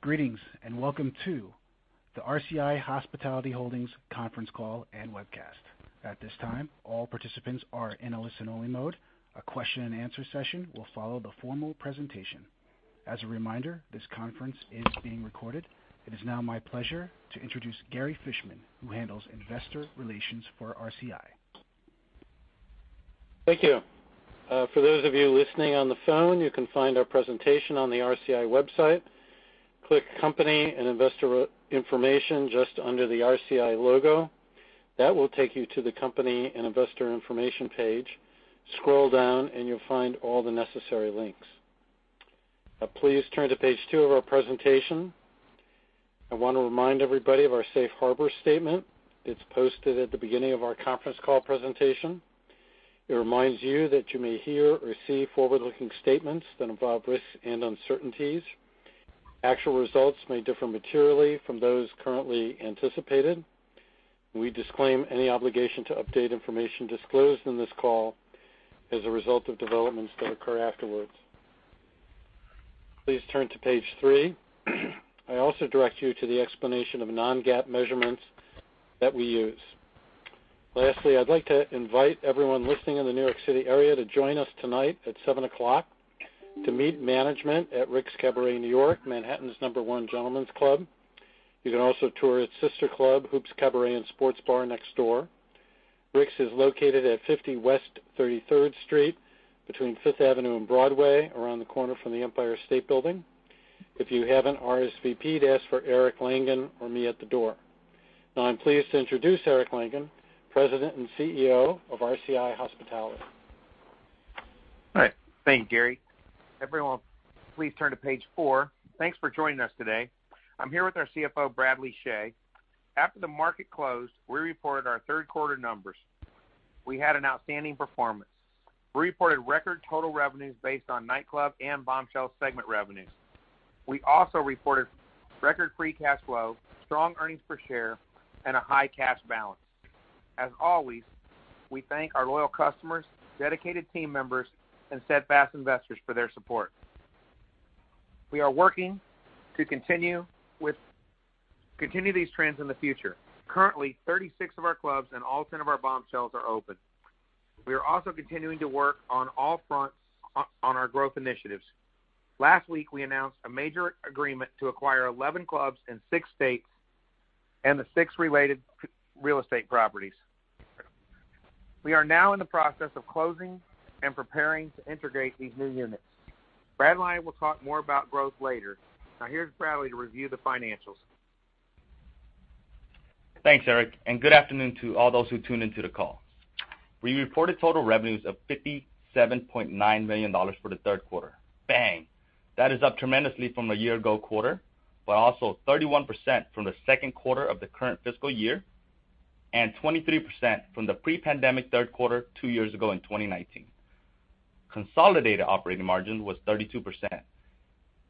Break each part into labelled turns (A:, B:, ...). A: Greetings, and welcome to the RCI Hospitality Holdings conference call and webcast. At this time, all participants are in a listen-only mode. A question and answer session will follow the formal presentation. As a reminder, this conference is being recorded. It is now my pleasure to introduce Gary Fishman, who handles investor relations for RCI.
B: Thank you. For those of you listening on the phone, you can find our presentation on the RCI website. Click Company and Investor Information just under the RCI logo. That will take you to the Company and Investor Information page. Scroll down, and you'll find all the necessary links. Please turn to page 2 of our presentation. I want to remind everybody of our safe harbor statement that's posted at the beginning of our conference call presentation. It reminds you that you may hear or see forward-looking statements that involve risks and uncertainties. Actual results may differ materially from those currently anticipated. We disclaim any obligation to update information disclosed in this call as a result of developments that occur afterwards. Please turn to page 3. I also direct you to the explanation of non-GAAP measurements that we use. Lastly, I'd like to invite everyone listening in the New York City area to join us tonight at 7:00 P.M. to meet management at Rick's Cabaret New York, Manhattan's number one gentlemen's club. You can also tour its sister club, Hoops Cabaret and Sports Bar, next door. RCI's is located at 50 West 33rd Street between Fifth Avenue and Broadway, around the corner from the Empire State Building. If you haven't RSVP'd, ask for Eric Langan or me at the door. Now I'm pleased to introduce Eric Langan, President and Chief Executive Officer of RCI Hospitality.
C: All right. Thank you, Gary. Everyone, please turn to page 4. Thanks for joining us today. I'm here with our CFO, Bradley Chhay. After the market closed, we reported our third-quarter numbers. We had an outstanding performance. We reported record total revenues based on Nightclubs and Bombshells segment revenues. We also reported record free cash flow, strong earnings per share, and a high cash balance. As always, we thank our loyal customers, dedicated team members, and steadfast investors for their support. We are working to continue these trends in the future. Currently, 36 of our clubs and all 10 of our Bombshells are open. We are also continuing to work on all fronts on our growth initiatives. Last week, we announced a major agreement to acquire 11 clubs in six states and the six related real estate properties. We are now in the process of closing and preparing to integrate these new units. Bradley and I will talk more about growth later. Now here's Bradley to review the financials.
D: Thanks, Eric. Good afternoon to all those who tuned into the call. We reported total revenues of $57.9 million for the third quarter. Bang. That is up tremendously from the year ago quarter, but also 31% from the second quarter of the current fiscal year, and 23% from the pre-pandemic third quarter two years ago in 2019. Consolidated operating margin was 32%.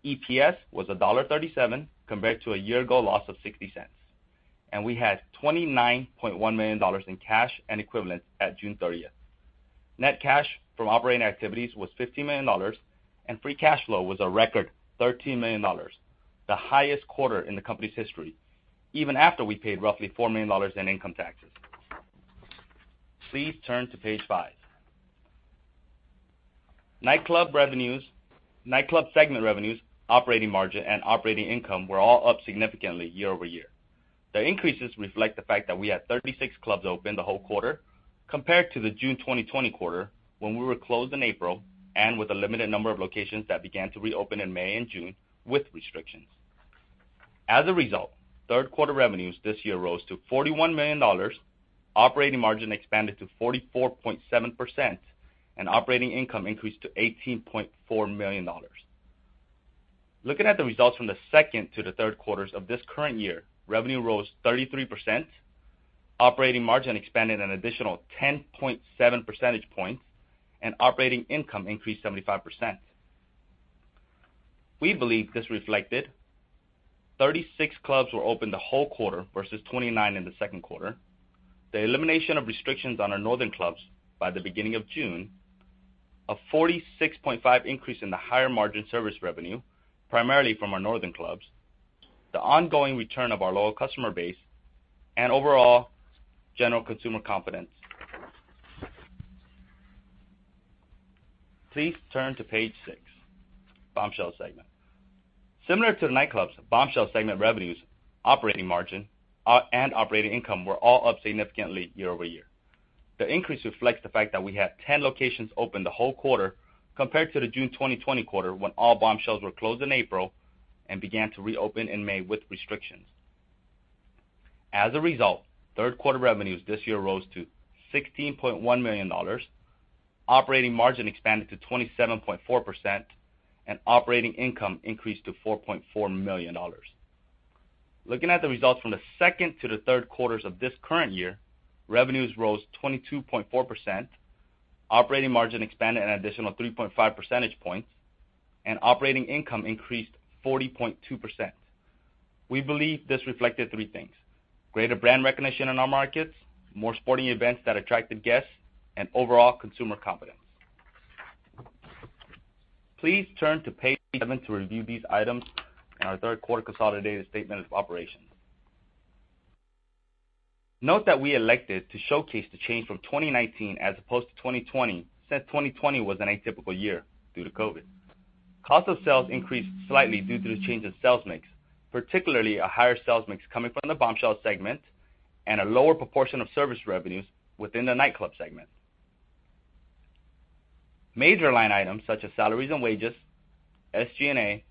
D: EPS was $1.37, compared to a year ago loss of $0.60. We had $29.1 million in cash and equivalents at June 30th. Net cash from operating activities was $15 million, and free cash flow was a record $13 million. The highest quarter in the company's history, even after we paid roughly $4 million in income taxes. Please turn to page 5. Nightclub segment revenues, operating margin, and operating income were all up significantly year over year. The increases reflect the fact that we had 36 clubs open the whole quarter compared to the June 2020 quarter, when we were closed in April, and with a limited number of locations that began to reopen in May and June with restrictions. As a result, third-quarter revenues this year rose to $41 million, operating margin expanded to 44.7%, and operating income increased to $18.4 million. Looking at the results from the second to the third quarters of this current year, revenue rose 33%, operating margin expanded an additional 10.7 percentage points, and operating income increased 75%. We believe this reflected 36 clubs were open the whole quarter versus 29 in the second quarter, the elimination of restrictions on our northern clubs by the beginning of June, a 46.5% increase in the higher margin service revenue, primarily from our northern clubs, the ongoing return of our loyal customer base, and overall general consumer confidence. Please turn to page six, Bombshells segment. Similar to the Nightclubs, Bombshells segment revenues, operating margin, and operating income were all up significantly year-over-year. The increase reflects the fact that we had 10 locations open the whole quarter compared to the June 2020 quarter, when all Bombshells were closed in April and began to reopen in May with restrictions. As a result, third-quarter revenues this year rose to $16.1 million, operating margin expanded to 27.4%, and operating income increased to $4.4 million. Looking at the results from the second to the third quarters of this current year, revenues rose 22.4%, operating margin expanded an additional 3.5 percentage points, and operating income increased 40.2%. We believe this reflected three things: greater brand recognition in our markets, more sporting events that attracted guests, and overall consumer confidence. Please turn to page 7 to review these items in our third quarter consolidated statement of operations. Note that we elected to showcase the change from 2019 as opposed to 2020, since 2020 was an atypical year due to COVID. Cost of sales increased slightly due to the change in sales mix, particularly a higher sales mix coming from the Bombshells segment and a lower proportion of service revenues within the Nightclub segment. Major line items such as salaries and wages, SG&A,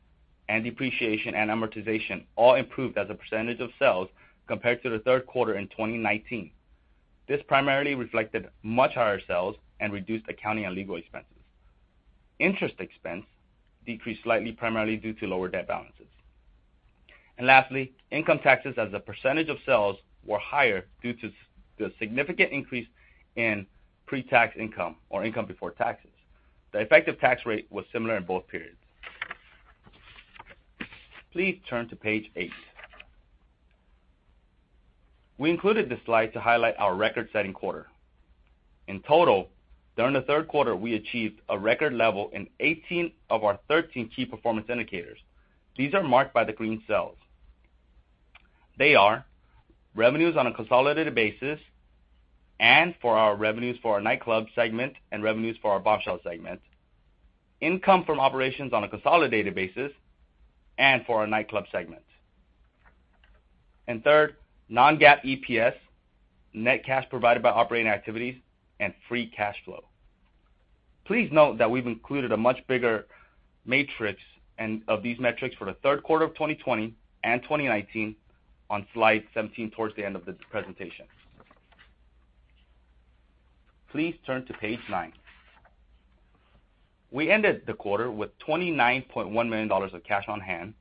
D: and depreciation and amortization all improved as a % of sales compared to the third quarter in 2019. This primarily reflected much higher sales and reduced accounting and legal expenses. Interest expense decreased slightly, primarily due to lower debt balances. Lastly, income taxes as a % of sales were higher due to the significant increase in pre-tax income or income before taxes. The effective tax rate was similar in both periods. Please turn to page 8. We included this slide to highlight our record-setting quarter. In total, during the third quarter, we achieved a record level in 18 of our 13 key performance indicators. These are marked by the green cells. They are revenues on a consolidated basis and for our revenues for our Nightclub Segment and revenues for our Bombshells Segment, income from operations on a consolidated basis and for our Nightclub Segment. Third, non-GAAP EPS, net cash provided by operating activities, and free cash flow. Please note that we've included a much bigger matrix of these metrics for the third quarter of 2020 and 2019 on slide 17 towards the end of this presentation. Please turn to page 9. We ended the quarter with $29.1 million of cash on hand,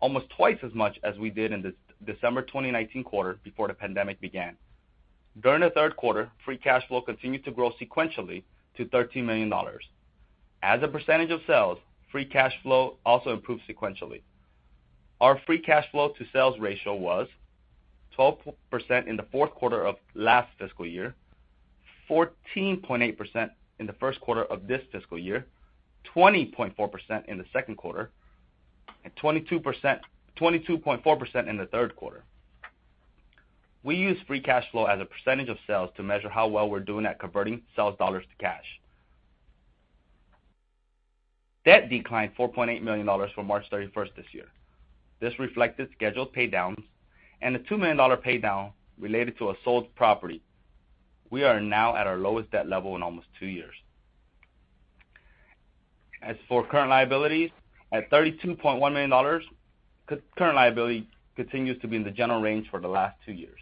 D: almost twice as much as we did in the December 2019 quarter before the pandemic began. During the third quarter, free cash flow continued to grow sequentially to $13 million. As a % of sales, free cash flow also improved sequentially. Our free cash flow to sales ratio was 12% in the fourth quarter of last fiscal year, 14.8% in the first quarter of this fiscal year, 20.4% in the second quarter, and 22.4% in the third quarter. We use free cash flow as a percentage of sales to measure how well we're doing at converting sales dollars to cash. Debt declined $4.8 million from March 31st this year. This reflected scheduled paydowns and a $2 million paydown related to a sold property. We are now at our lowest debt level in almost two years. As for current liabilities, at $32.1 million, current liability continues to be in the general range for the last two years.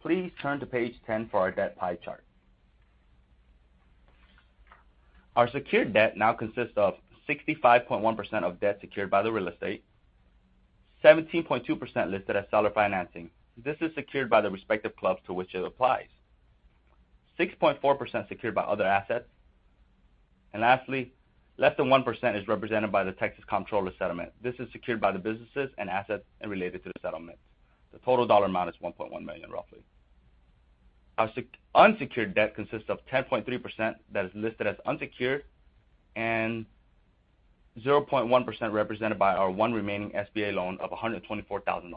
D: Please turn to page 10 for our debt pie chart. Our secured debt now consists of 65.1% of debt secured by the real estate, 17.2% listed as seller financing. This is secured by the respective clubs to which it applies. 6.4% secured by other assets, and lastly, less than 1% is represented by the Texas Comptroller settlement. This is secured by the businesses and assets and related to the settlement. The total dollar amount is $1.1 million, roughly. Our unsecured debt consists of 10.3% that is listed as unsecured and 0.1% represented by our one remaining SBA loan of $124,000.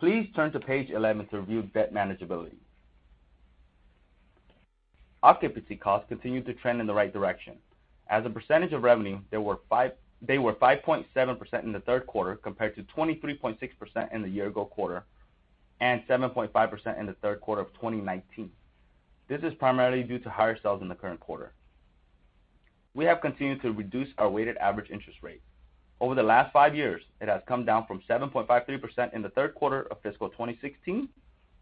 D: Please turn to page 11 to review debt manageability. Occupancy costs continued to trend in the right direction. As a percentage of revenue, they were 5.7% in the third quarter, compared to 23.6% in the year ago quarter and 7.5% in the third quarter of 2019. This is primarily due to higher sales in the current quarter. We have continued to reduce our weighted average interest rate. Over the last five years, it has come down from 7.53% in the third quarter of fiscal 2016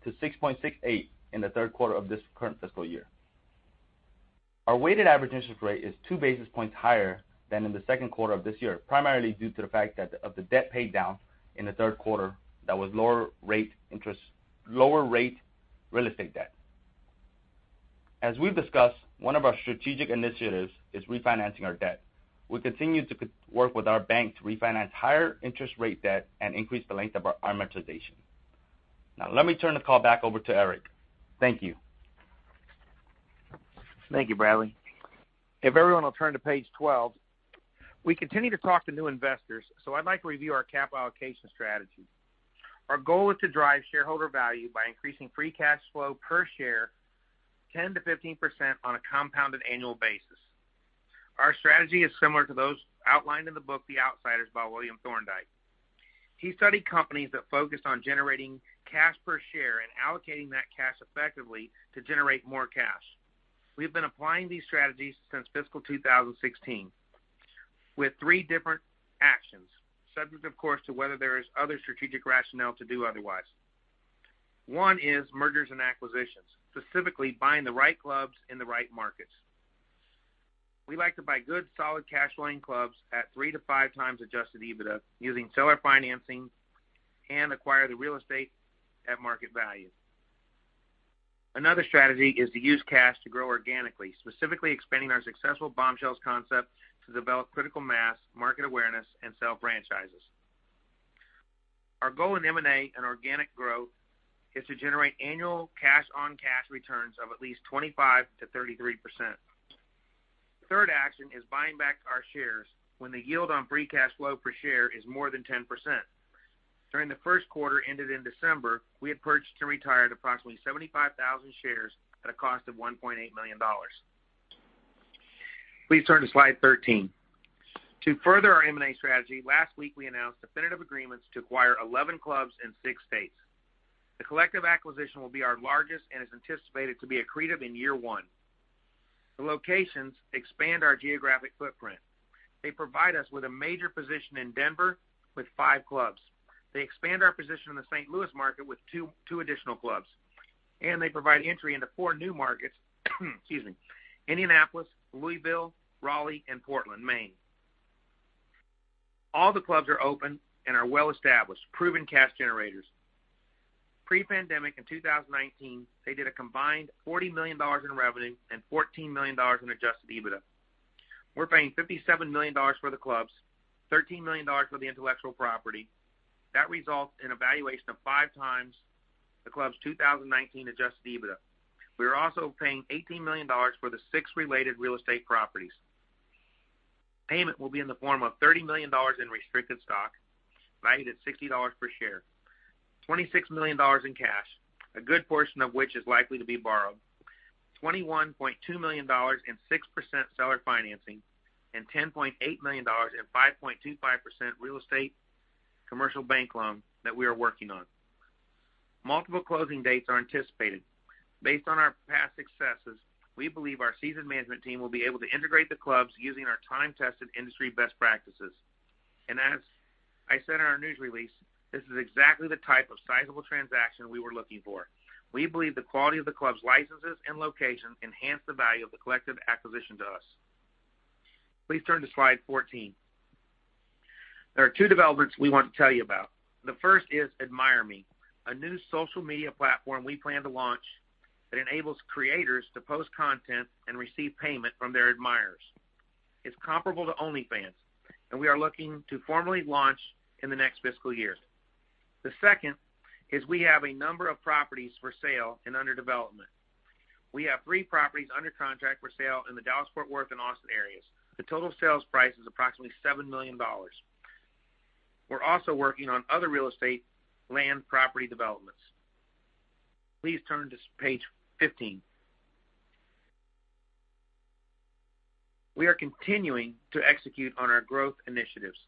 D: to 6.68% in the third quarter of this current fiscal year. Our weighted average interest rate is 2 basis points higher than in the second quarter of this year, primarily due to the fact of the debt paydown in the third quarter that was lower rate real estate debt. As we've discussed, one of our strategic initiatives is refinancing our debt. We continue to work with our bank to refinance higher interest rate debt and increase the length of our amortization. Let me turn the call back over to Eric. Thank you.
C: Thank you, Bradley. If everyone will turn to page 12, we continue to talk to new investors, I'd like to review our capital allocation strategy. Our goal is to drive shareholder value by increasing free cash flow per share 10%-15% on a compounded annual basis. Our strategy is similar to those outlined in the book "The Outsiders" by William Thorndike. He studied companies that focused on generating cash per share and allocating that cash effectively to generate more cash. We've been applying these strategies since fiscal 2016 with three different actions, subject, of course, to whether there is other strategic rationale to do otherwise. One is mergers and acquisitions, specifically buying the right clubs in the right markets. We like to buy good, solid cash-flowing clubs at 3-5x adjusted EBITDA using seller financing and acquire the real estate at market value. Another strategy is to use cash to grow organically, specifically expanding our successful Bombshells concept to develop critical mass, market awareness, and sell franchises. Our goal in M&A and organic growth is to generate annual cash-on-cash returns of at least 25%-33%. The third action is buying back our shares when the yield on free cash flow per share is more than 10%. During the first quarter ended in December, we had purchased and retired approximately 75,000 shares at a cost of $1.8 million. Please turn to slide 13. To further our M&A strategy, last week we announced definitive agreements to acquire 11 clubs in six states. The collective acquisition will be our largest and is anticipated to be accretive in year one. The locations expand our geographic footprint. They provide us with a major position in Denver with five clubs. They expand our position in the St. Louis market with two additional clubs. They provide entry into four new markets, Indianapolis, Louisville, Raleigh, and Portland, Maine. All the clubs are open and are well-established, proven cash generators. Pre-pandemic in 2019, they did a combined $40 million in revenue and $14 million in adjusted EBITDA. We're paying $57 million for the clubs, $13 million for the intellectual property. That results in a valuation of 5x the club's 2019 adjusted EBITDA. We are also paying $18 million for the six related real estate properties. Payment will be in the form of $30 million in restricted stock, valued at $60 per share, $26 million in cash, a good portion of which is likely to be borrowed, $21.2 million in 6% seller financing, and $10.8 million in 5.25% real estate commercial bank loan that we are working on. Multiple closing dates are anticipated. Based on our past successes, we believe our seasoned management team will be able to integrate the clubs using our time-tested industry best practices. As I said in our news release, this is exactly the type of sizable transaction we were looking for. We believe the quality of the club's licenses and locations enhance the value of the collective acquisition to us. Please turn to slide 14. There are two developments we want to tell you about. The first is AdmireMe, a new social media platform we plan to launch that enables creators to post content and receive payment from their admirers. It's comparable to OnlyFans, and we are looking to formally launch in the next fiscal year. The second is we have a number of properties for sale and under development. We have three properties under contract for sale in the Dallas-Fort Worth and Austin areas. The total sales price is approximately $7 million. We're also working on other real estate land property developments. Please turn to page 15. We are continuing to execute on our growth initiatives.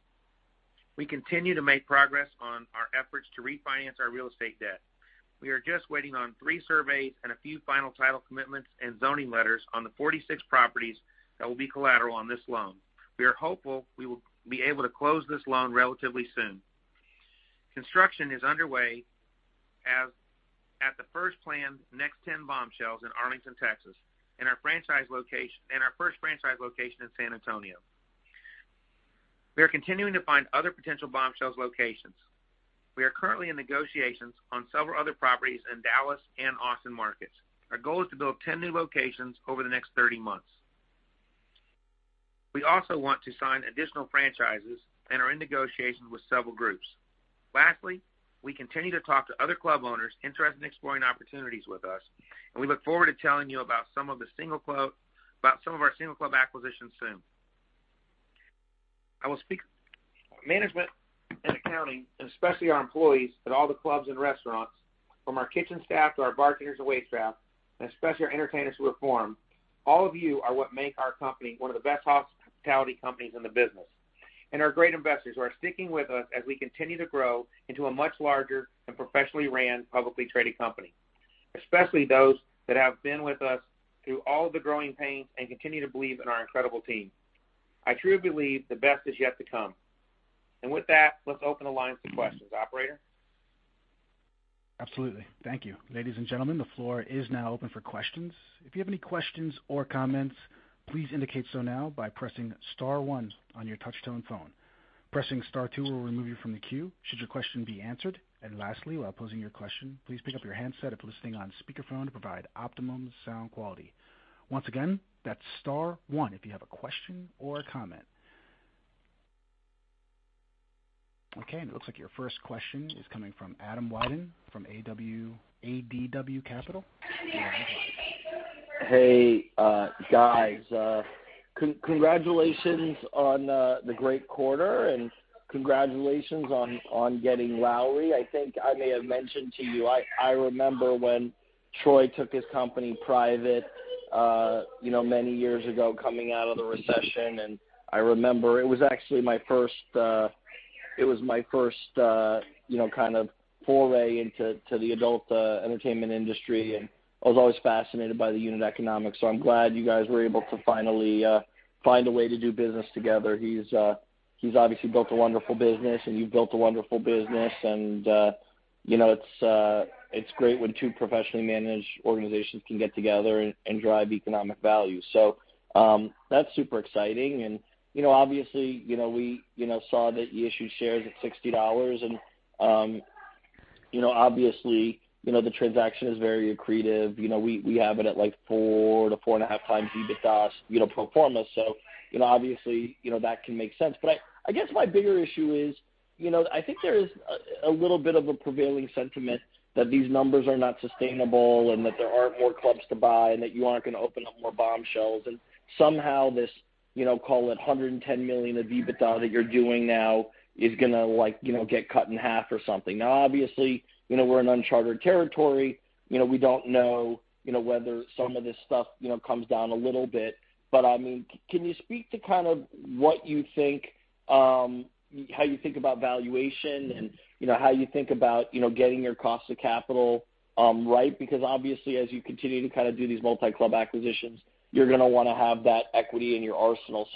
C: We continue to make progress on our efforts to refinance our real estate debt. We are just waiting on three surveys and a few final title commitments and zoning letters on the 46 properties that will be collateral on this loan. We are hopeful we will be able to close this loan relatively soon. Construction is underway at the first planned next 10 Bombshells in Arlington, Texas, and our first franchise location in San Antonio. We are continuing to find other potential Bombshells locations. We are currently in negotiations on several other properties in Dallas and Austin markets. Our goal is to build 10 new locations over the next 30 months. We also want to sign additional franchises and are in negotiations with several groups. Lastly, we continue to talk to other club owners interested in exploring opportunities with us, and we look forward to telling you about some of our single club acquisitions soon. I will speak to management and accounting, especially our employees at all the clubs and restaurants, from our kitchen staff to our bartenders and waitstaff, especially our entertainers who perform, all of you are what make our company one of the best hospitality companies in the business. Our great investors, who are sticking with us as we continue to grow into a much larger and professionally ran, publicly traded company, especially those that have been with us through all the growing pains and continue to believe in our incredible team. I truly believe the best is yet to come. With that, let's open the lines to questions. Operator?
A: Absolutely. Thank you. Ladies and gentlemen, the floor is now open for questions. If you have any questions or comments, please indicate so now by pressing star one on your touch-tone phone. Pressing star two will remove you from the queue, should your question be answered. Lastly, while posing your question, please pick up your handset if listening on speakerphone to provide optimum sound quality. Once again, that's star one if you have a question or a comment. Okay, it looks like your first question is coming from Adam Wyden from ADW Capital.
E: Hey, guys. Congratulations on the great quarter and congratulations on getting Lowrie. I think I may have mentioned to you, I remember when Troy took his company private many years ago coming out of the recession. I remember it was actually my first kind of foray into the adult entertainment industry, and I was always fascinated by the unit economics. I'm glad you guys were able to finally find a way to do business together. He's obviously built a wonderful business, and you've built a wonderful business. It's great when two professionally managed organizations can get together and drive economic value. That's super exciting. Obviously, we saw that you issued shares at $60 and obviously, the transaction is very accretive. We have it at 4-4.5x EBITDA, pro forma. Obviously, that can make sense. I guess my bigger issue is, I think there is a little bit of a prevailing sentiment that these numbers are not sustainable, and that there aren't more clubs to buy, and that you aren't going to open up more Bombshells. Somehow this, call it $110 million of EBITDA that you're doing now is going to get cut in half or something. Now, obviously, we're in uncharted territory. We don't know whether some of this stuff comes down a little bit. Can you speak to how you think about valuation and how you think about getting your cost of capital right? Obviously, as you continue to do these multi-club acquisitions, you're going to want to have that equity in your arsenal.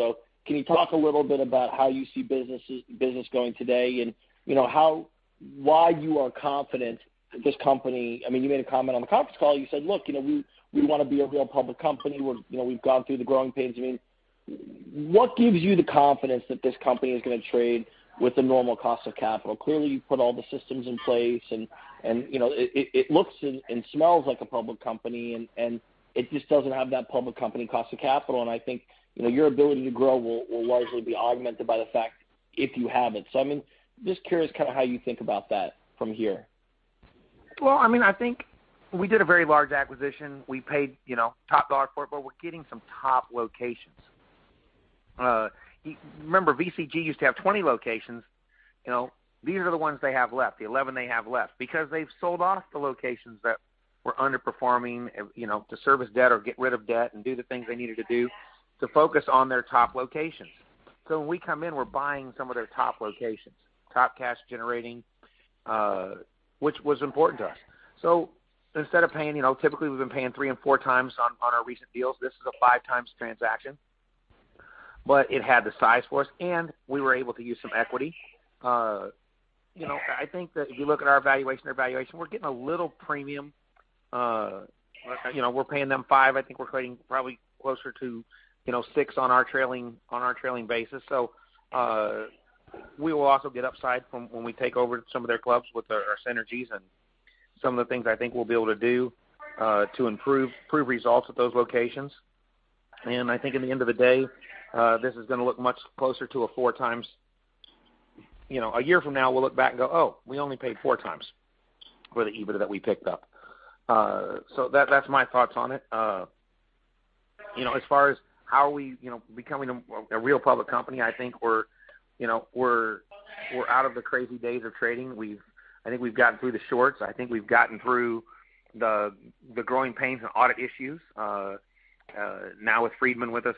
E: Can you talk a little bit about how you see business going today, and why you are confident that this company- you made a comment on the conference call, you said, "Look, we want to be a real public company. We've gone through the growing pains." What gives you the confidence that this company is going to trade with a normal cost of capital? Clearly, you've put all the systems in place, and it looks and smells like a public company, and it just doesn't have that public company cost of capital, and I think your ability to grow will largely be augmented by the fact if you have it. I'm just curious how you think about that from here.
C: I think we did a very large acquisition. We paid top dollar for it, but we're getting some top locations. Remember, VCG used to have 20 locations. These are the ones they have left, the 11 they have left, because they've sold off the locations that were underperforming to service debt or get rid of debt and do the things they needed to do to focus on their top locations. When we come in, we're buying some of their top locations, top cash-generating, which was important to us. Instead of paying, typically, we've been paying 3x and 4x on our recent deals. This is a 5x transaction, but it had the size for us, and we were able to use some equity. I think that if you look at our valuation evaluation, we're getting a little premium. We're paying them 5x. I think we're creating probably closer to 6x on our trailing basis. We will also get upside from when we take over some of their clubs with our synergies and some of the things I think we'll be able to do, to improve results at those locations. I think at the end of the day, this is going to look much closer to a 4x. A year from now, we'll look back and go, "Oh, we only paid 4x for the EBITDA that we picked up." That's my thoughts on it. As far as how are we becoming a real public company, I think we're out of the crazy days of trading. I think we've gotten through the shorts. I think we've gotten through the growing pains and audit issues. Now with Friedman with us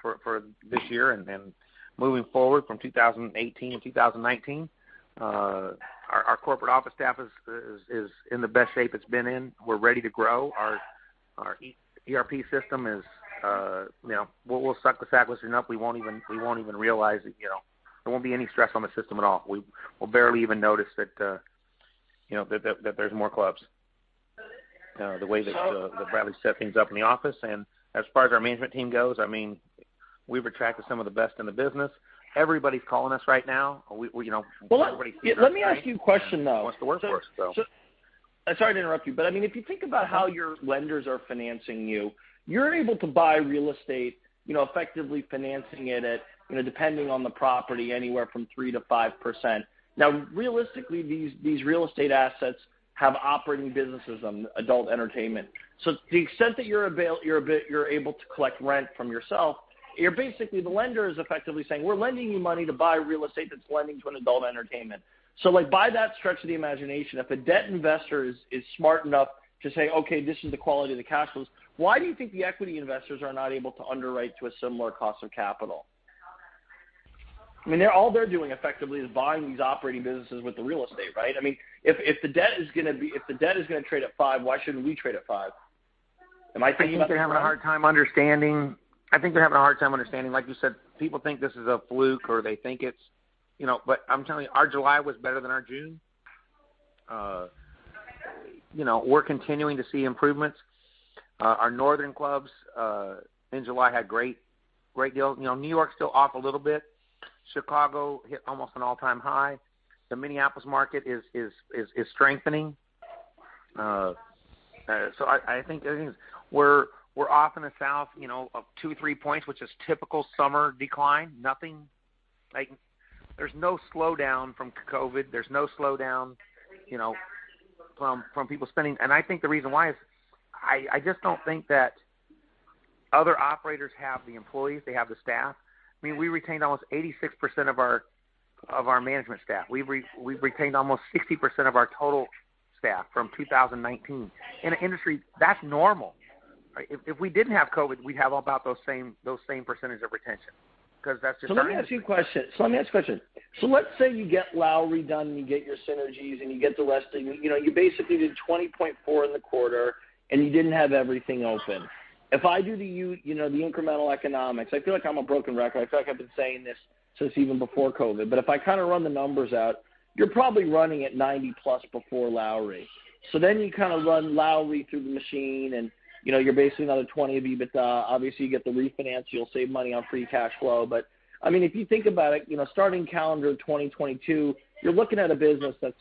C: for this year and then moving forward from 2018 and 2019, our corporate office staff is in the best shape it's been in. We're ready to grow. Our ERP system is, we'll set up seamless enough, we won't even realize it. There won't be any stress on the system at all. We'll barely even notice that there's more clubs, the way that Bradley set things up in the office. As far as our management team goes, we've attracted some of the best in the business. Everybody's calling us right now. Everybody sees the upside.
E: Well, let me ask you a question, though?
C: Wants to work for us.
E: Sorry to interrupt you, but if you think about how your lenders are financing, you're able to buy real estate, effectively financing it at, depending on the property, anywhere from 3%-5%. Now, realistically, these real estate assets have operating businesses on adult entertainment. To the extent that you're able to collect rent from yourself, you're basically the lender is effectively saying, "We're lending you money to buy real estate that's lending to an adult entertainment." By that stretch of the imagination, if a debt investor is smart enough to say, "Okay, this is the quality of the cash flows," why do you think the equity investors are not able to underwrite to a similar cost of capital? All they're doing effectively is buying these operating businesses with the real estate, right? If the debt is going to trade at 5, why shouldn't we trade at 5? Am I thinking about that wrong?
C: I think they're having a hard time understanding, like you said, people think this is a fluke or they think it's I'm telling you, our July was better than our June. We're continuing to see improvements. Our northern clubs, in July, had great deals. New York's still off a little bit. Chicago hit almost an all-time high. The Minneapolis market is strengthening. I think we're off in the south of two, three points, which is typical summer decline. There's no slowdown from COVID. There's no slowdown from people spending. I think the reason why is I just don't think that other operators have the employees, they have the staff. We retained almost 86% of our management staff. We've retained almost 60% of our total staff from 2019. In an industry, that's normal. If we didn't have COVID, we'd have about those same percentage of retention because that's just our-
E: Let me ask you a question. Let's say you get Lowrie redone, and you get your synergies, and you get the rest of it. You basically did $20.4 in the quarter, and you didn't have everything open. If I do the incremental economics, I feel like I'm a broken record. I feel like I've been saying this since even before COVID, but if I run the numbers out, you're probably running at 90-plus before. Then you run Lowrie through the machine, and you're basically on a $20 EBITDA. Obviously, you get the refinance, you'll save money on free cash flow. If you think about it, starting calendar 2022, you're looking at a business that's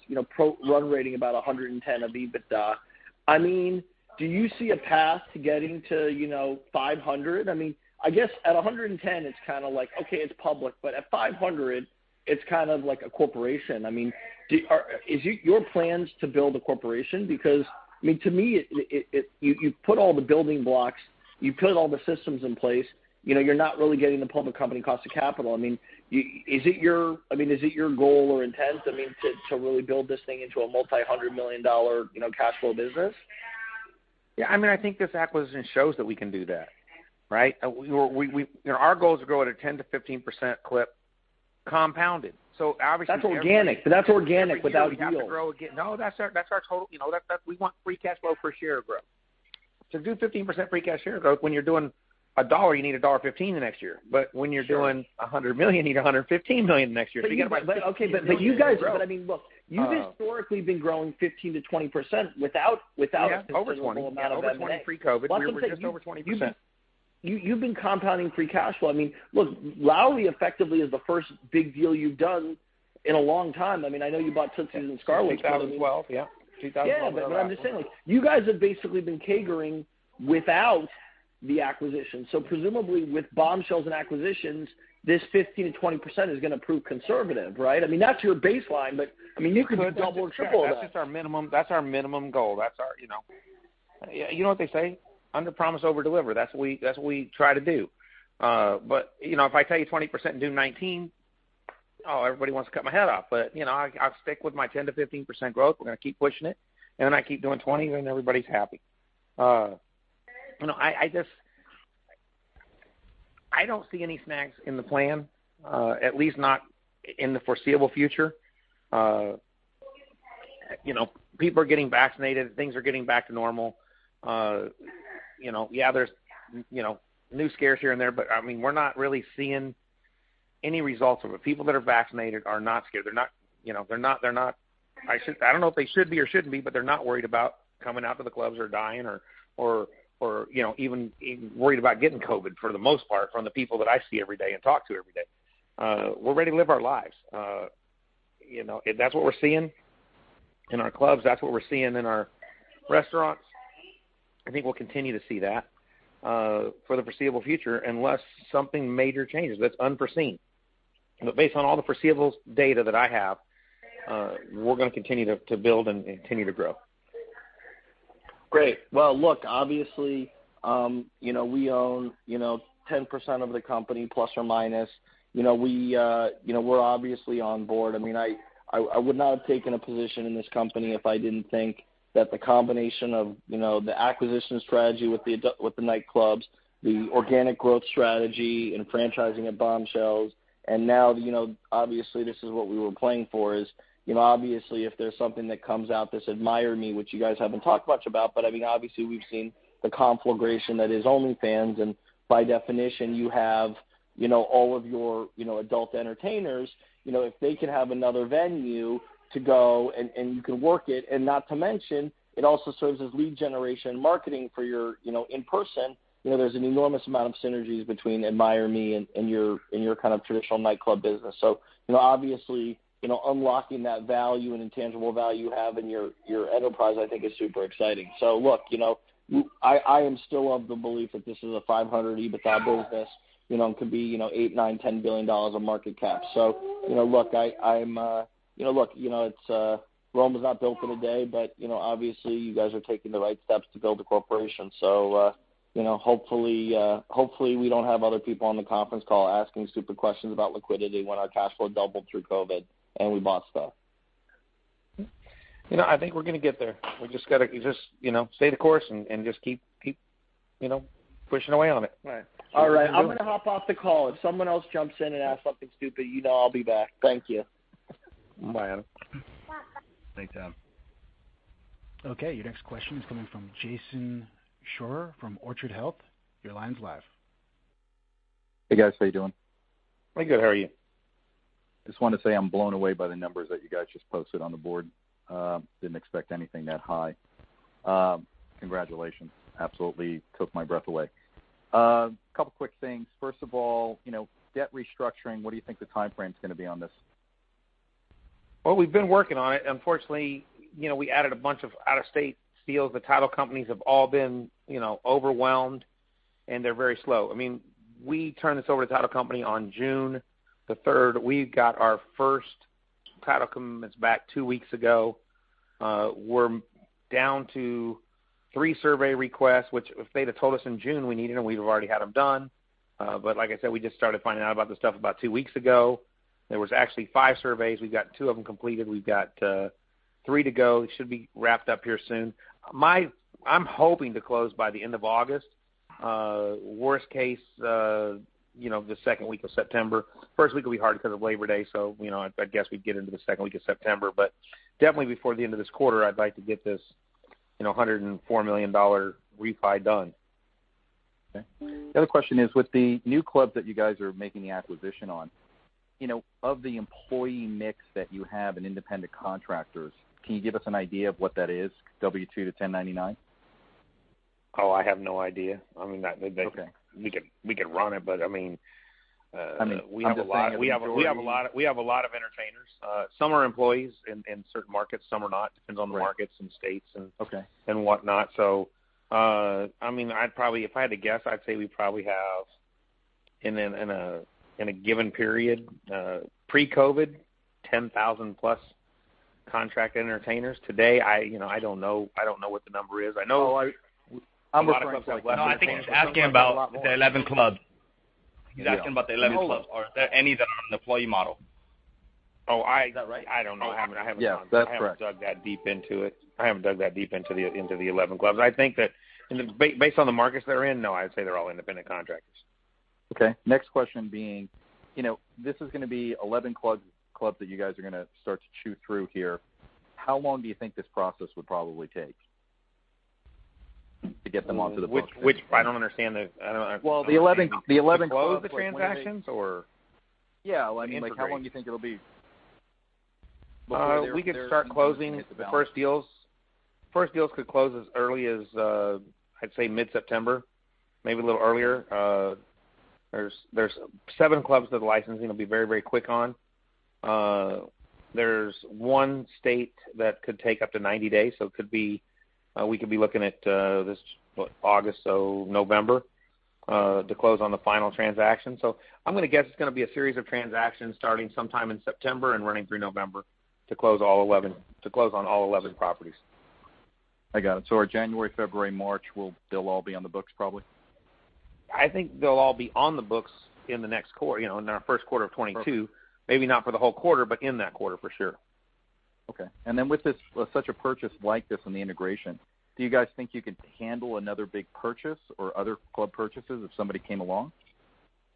E: run rating about $110 EBITDA. Do you see a path to getting to $500? I guess at $110, it's like, okay, it's public, but at $500, it's like a corporation. Is your plans to build a corporation? Because, to me, you've put all the building blocks, you've put all the systems in place. You're not really getting the public company cost of capital. Is it your goal or intent to really build this thing into a multi-hundred-million-dollar cash flow business?
C: Yeah, I think this acquisition shows that we can do that. Right? Our goal is to grow at a 10%-15% clip compounded.
E: That's organic. That's organic without deal.
C: Every year we have to grow again. No, that's our total. We want free cash flow for share growth. Do 15% free cash share growth. When you're doing $1, you need $1.15 the next year. When you're doing $100 million, you need $115 million the next year. You get-
E: But you guys-
C: -to grow.
E: Look, you've historically been growing 15%-20%-
C: Yeah, over 20%-
E: -without a sustainable amount of debt.
C: Over 20% pre-COVID. We were just over 20%.
E: You've been compounding free cash flow. Look, Lowrie effectively is the first big deal you've done in a long time. I know you bought Tootsie's and Scarlett's.
C: 2012, yeah. 2011.
E: What I'm just saying, you guys have basically been CAGRing without the acquisition. Presumably with Bombshells and acquisitions, this 15%-20% is going to prove conservative, right? That's your baseline, but you could double or triple that.
C: That's just our minimum goal. You know what they say? Underpromise, overdeliver. That's what we try to do. If I tell you 20% in June 2019, oh, everybody wants to cut my head off. I'll stick with my 10%-15% growth. We're going to keep pushing it. Then I keep doing 20%, and everybody's happy. I don't see any snags in the plan, at least not in the foreseeable future. People are getting vaccinated. Things are getting back to normal. There's new scares here and there, but we're not really seeing any results of it. People that are vaccinated are not scared. I don't know if they should be or shouldn't be, but they're not worried about coming out to the clubs or dying or even worried about getting COVID, for the most part, from the people that I see every day and talk to every day. We're ready to live our lives. That's what we're seeing in our clubs. That's what we're seeing in our restaurants. I think we'll continue to see that for the foreseeable future, unless something major changes that's unforeseen. Based on all the foreseeable data that I have, we're going to continue to build and continue to grow.
E: Great. Well, look, obviously, we own 10% of the company, plus or minus. We're obviously on board. I would not have taken a position in this company if I didn't think that the combination of the acquisition strategy with the nightclubs, the organic growth strategy and franchising at Bombshells, and now, obviously, this is what we were playing for is, obviously, if there's something that comes out, this AdmireMe, which you guys haven't talked much about, but obviously we've seen the conflagration that is OnlyFans, and by definition, you have all of your adult entertainers. If they could have another venue to go and you can work it, and not to mention, it also serves as lead generation marketing for your in-person. There's an enormous amount of synergies between AdmireMe and your traditional nightclub business. Obviously, unlocking that value and intangible value you have in your enterprise, I think is super exciting. Look, I am still of the belief that this is a 500 EBITDA business. It could be $8 billion, $9 billion, $10 billion of market cap. Look, Rome was not built in a day, but obviously you guys are taking the right steps to build a corporation. Hopefully we don't have other people on the conference call asking stupid questions about liquidity when our cash flow doubled through COVID and we bought stuff.
C: I think we're going to get there. We just got to stay the course and just keep pushing away on it.
E: Right. All right. I'm going to hop off the call. If someone else jumps in and asks something stupid, you know I'll be back. Thank you.
C: Bye. Thanks, Adam.
A: Your next question is coming from Jason Scheurer from Orchard Wealth. Your line's live.
F: Hey, guys. How you doing?
C: We're good. How are you?
F: Just wanted to say I'm blown away by the numbers that you guys just posted on the board. Didn't expect anything that high. Congratulations. Absolutely took my breath away. A couple quick things. First of all, debt restructuring, what do you think the timeframe's going to be on this?
C: Well, we've been working on it. Unfortunately, we added a bunch of out-of-state deals. The title companies have all been overwhelmed, and they're very slow. We turned this over to the title company on June 3rd. We got our first title commitments back two weeks ago. We're down to three survey requests, which if they'd have told us in June we need them, we would've already had them done. Like I said, we just started finding out about this stuff about two weeks ago. There was actually five surveys. We got two of them completed. We've got three to go. It should be wrapped up here soon. I'm hoping to close by the end of August. Worst case, the second week of September. First week will be hard because of Labor Day, so I guess we'd get into the second week of September, but definitely before the end of this quarter, I'd like to get this $104 million refi done.
F: Okay. The other question is, with the new club that you guys are making the acquisition on, of the employee mix that you have and independent contractors, can you give us an idea of what that is, W2 to 1099?
C: Oh, I have no idea.
F: Okay.
C: We could run it, but-
F: I'm just saying the majority.
C: We have a lot of entertainers. Some are employees in certain markets, some are not. It depends on the markets and states and whatnot.
F: Okay.
C: If I had to guess, I'd say we probably have, in a given period, pre-COVID, 10,000-plus contract entertainers. Today, I don't know what the number is. I know a lot of clubs have less entertainers.
D: No, I think he's asking about the 11 club.
C: Yeah.
D: He's asking about the 11 club. Are any of them employee model?
C: Oh.
D: Is that right?
C: I don't know.
F: Yeah, that's correct.
C: I haven't dug that deep into it. I haven't dug that deep into the 11 clubs. I think that based on the markets they're in, no, I'd say they're all independent contractors.
F: Okay. Next question being, this is going to be 11 clubs that you guys are going to start to chew through here. How long do you think this process would probably take to get them onto the books?
C: Which I don't understand that. I don't know.
F: Well, the 11 club-
C: All the transactions or-
F: Yeah, like how long do you think it'll be before they're included into the balance?
C: We could start closing the first deals could close as early as, I'd say mid-September, maybe a little earlier. There's seven clubs that the licensing will be very quick on. There's one state that could take up to 90 days, so we could be looking at August, so November, to close on the final transaction. I'm going to guess it's going to be a series of transactions starting sometime in September and running through November to close on all 11 properties.
F: I got it. January, February, March, they'll all be on the books probably?
C: I think they'll all be on the books in the next quarter, in our first quarter of 2022.
F: Okay.
C: Maybe not for the whole quarter, but in that quarter for sure.
F: Okay. Then with such a purchase like this and the integration, do you guys think you could handle another big purchase or other club purchases if somebody came along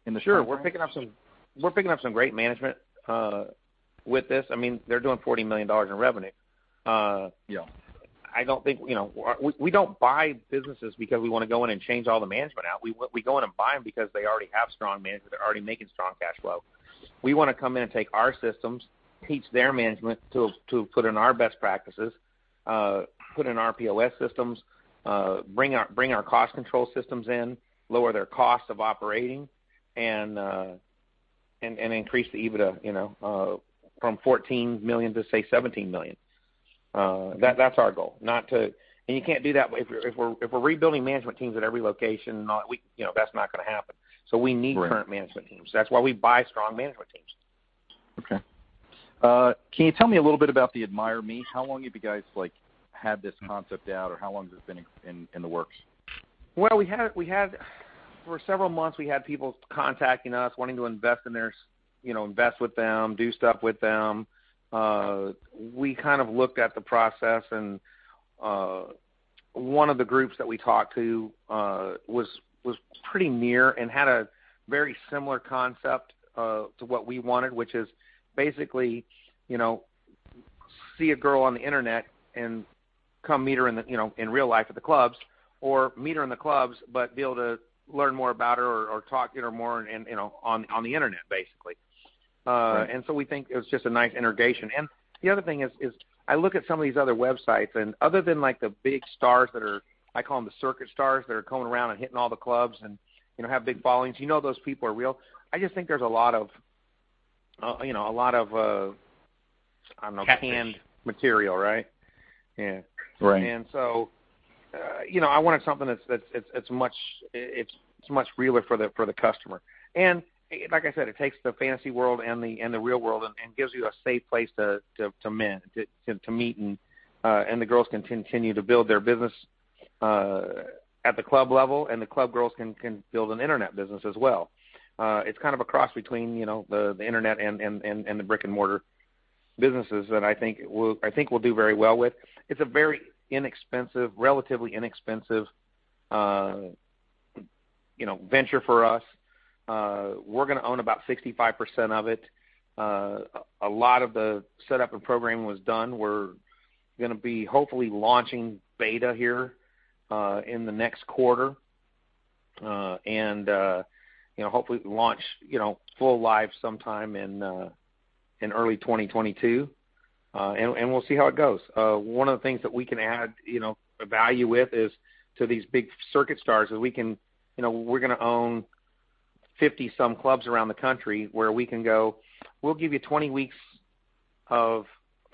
F: in the short term?
C: Sure. We're picking up some great management with this. They're doing $40 million in revenue.
F: Yeah.
C: We don't buy businesses because we want to go in and change all the management out. We go in and buy them because they already have strong management. They're already making strong cash flow. We want to come in and take our systems, teach their management to put in our best practices, put in our POS systems, bring our cost control systems in, lower their costs of operating, and increase the EBITDA from $14 million to, say, $17 million. That's our goal. You can't do that if we're rebuilding management teams at every location. That's not going to happen.
F: Right.
C: We need current management teams. That's why we buy strong management teams.
F: Okay. Can you tell me a little bit about the AdmireMe? How long have you guys had this concept out, or how long has this been in the works?
C: Well, for several months, we had people contacting us, wanting to invest with them, do stuff with them. We looked at the process, and one of the groups that we talked to was pretty near and had a very similar concept to what we wanted, which is basically see a girl on the internet and come meet her in real life at the clubs, or meet her in the clubs, but be able to learn more about her or talk even more on the internet, basically.
F: Right.
C: We think it was just a nice integration. The other thing is, I look at some of these other websites, and other than the big stars that are, I call them the circuit stars, that are coming around and hitting all the clubs and have big followings, you know those people are real. I just think there's a lot of canned material, right? Yeah.
F: Right.
C: I wanted something that's much realer for the customer. Like I said, it takes the fantasy world and the real world, and gives you a safe place to mend, to meet, and the girls can continue to build their business at the club level, and the club girls can build an internet business as well. It's kind of a cross between the internet and the brick-and-mortar businesses that I think we'll do very well with. It's a very inexpensive, relatively inexpensive venture for us. We're going to own about 65% of it. A lot of the setup and programming was done. We're going to be hopefully launching beta here in the next quarter. Hopefully launch full live sometime in early 2022. We'll see how it goes. One of the things that we can add value with is to these big circuit stars is we're going to own 50-some clubs around the country where we can go, "We'll give you 20 weeks of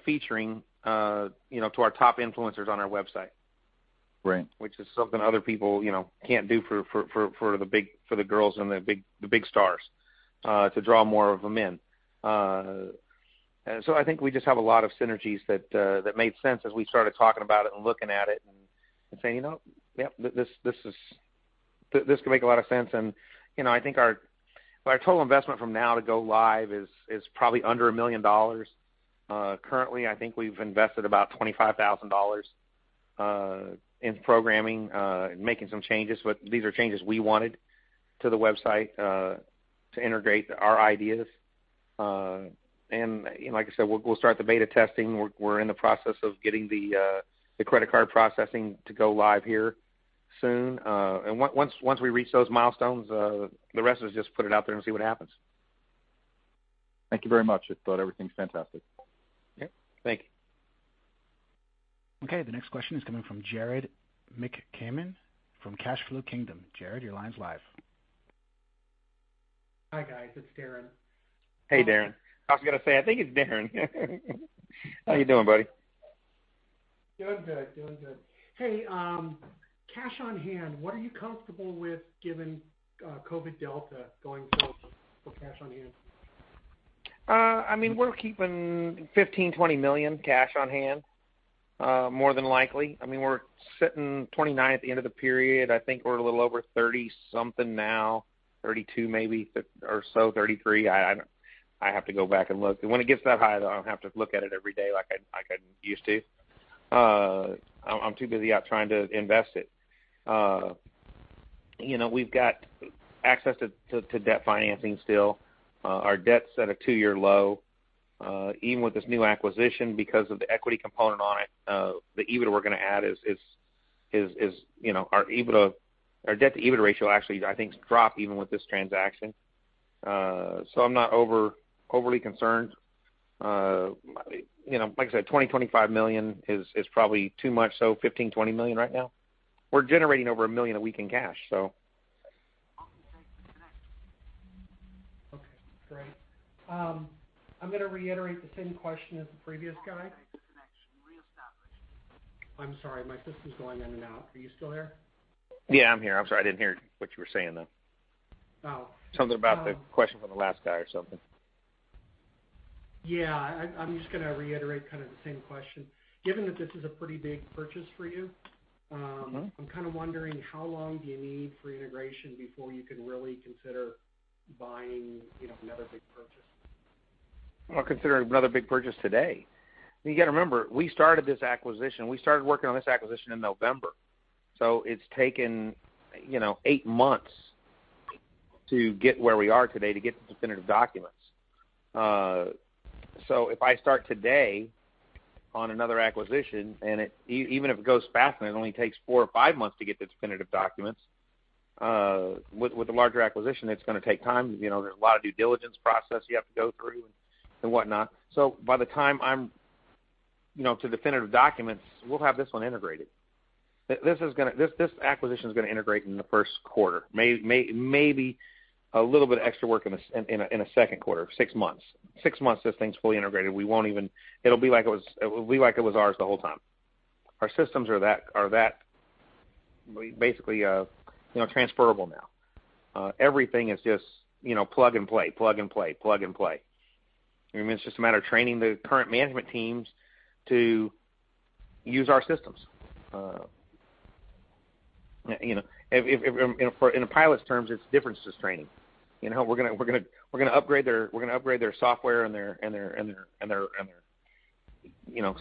C: featuring to our top influencers on our website.
F: Right.
C: Which is something other people can't do for the girls and the big stars to draw more of them in. I think we just have a lot of synergies that made sense as we started talking about it and looking at it and saying, "Yep, this could make a lot of sense." I think our total investment from now to go live is probably under $1 million. Currently, I think we've invested about $25,000 in programming, making some changes. These are changes we wanted to the website to integrate our ideas. Like I said, we'll start the beta testing. We're in the process of getting the credit card processing to go live here soon. Once we reach those milestones, the rest is just put it out there and see what happens.
F: Thank you very much. I thought everything's fantastic.
C: Okay, thank you.
A: Okay, the next question is coming from Darren McCammon from Cash Flow Kingdom. Darren, your line's live.
G: Hi, guys. It's Darren.
C: Hey, Darren. I was going to say, I think it's Darren. How you doing, buddy?
G: Doing good. Hey, cash on hand, what are you comfortable with given COVID Delta going forward for cash on hand?
C: We're keeping $15 million, $20 million cash on hand, more than likely. We're sitting $29 at the end of the period. I think we're a little over $30 something now, $32 maybe or so, $33. I have to go back and look. When it gets that high, though, I don't have to look at it every day like I used to. I'm too busy out trying to invest it. We've got access to debt financing still. Our debt's at a two-year low. Even with this new acquisition, because of the equity component on it, the EBITDA we're going to add is Our debt-to-EBITDA ratio actually, I think, has dropped even with this transaction. I'm not overly concerned. Like I said, $20 million, $25 million is probably too much so, $15 million, $20 million right now. We're generating over $1 million a week in cash.
G: Okay, great. I'm going to reiterate the same question as the previous guy.
A: Automated connection reestablished.
G: I'm sorry, my system's going in and out. Are you still there?
C: Yeah, I'm here. I'm sorry, I didn't hear what you were saying, though.
G: Oh.
C: Something about the question from the last guy or something.
G: Yeah, I'm just going to reiterate kind of the same question. Given that this is a pretty big purchase for you. I'm kind of wondering how long do you need for integration before you can really consider buying another big purchase?
C: I'm considering another big purchase today. You got to remember, we started this acquisition, we started working on this acquisition in November. It's taken eight months to get where we are today, to get the definitive documents. If I start today on another acquisition, and even if it goes fast and it only takes four or five months to get the definitive documents, with a larger acquisition, it's going to take time. There's a lot of due diligence process you have to go through and whatnot. By the time I'm to definitive documents, we'll have this one integrated. This acquisition's going to integrate in the first quarter. Maybe a little bit of extra work in the second quarter, six months. Six months, this thing's fully integrated. It'll be like it was ours the whole time. Our systems are that basically transferable now. Everything is just plug and play. It's just a matter of training the current management teams to use our systems. In a pilot's terms, it's differences training. We're going to upgrade their software and their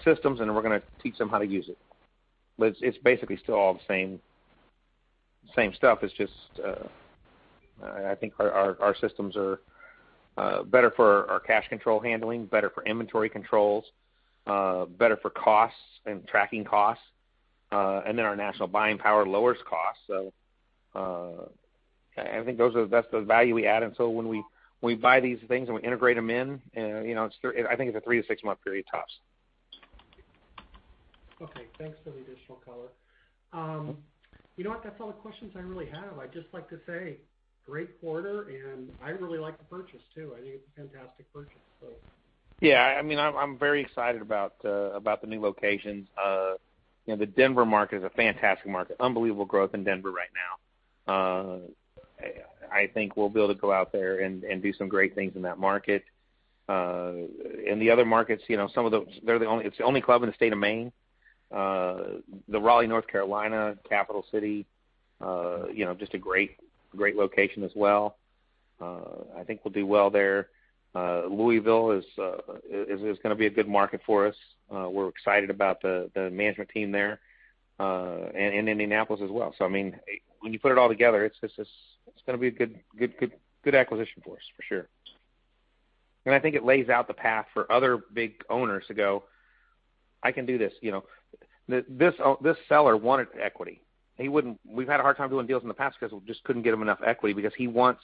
C: systems, and then we're going to teach them how to use it. It's basically still all the same stuff. It's just, I think our systems are better for our cash control handling, better for inventory controls, better for costs and tracking costs. Our national buying power lowers costs. I think that's the value we add until when we buy these things and we integrate them in, I think it's a three to six month period, tops.
G: Okay, thanks for the additional color. You know what? That's all the questions I really have. I'd just like to say, great quarter, and I really like the purchase, too. I think it's a fantastic purchase.
C: Yeah, I'm very excited about the new locations. The Denver market is a fantastic market. Unbelievable growth in Denver right now. I think we'll be able to go out there and do some great things in that market. In the other markets, it's the only one club in the state of Maine. The Raleigh, North Carolina, capital city, just a great location as well. I think we'll do well there. Louisville is going to be a good market for us. We're excited about the management team there, and in Indianapolis as well. When you put it all together, it's going to be a good acquisition for us, for sure. I think it lays out the path for other big owners to go, "I can do this." This seller wanted equity. We've had a hard time doing deals in the past because we just couldn't get him enough equity because he wants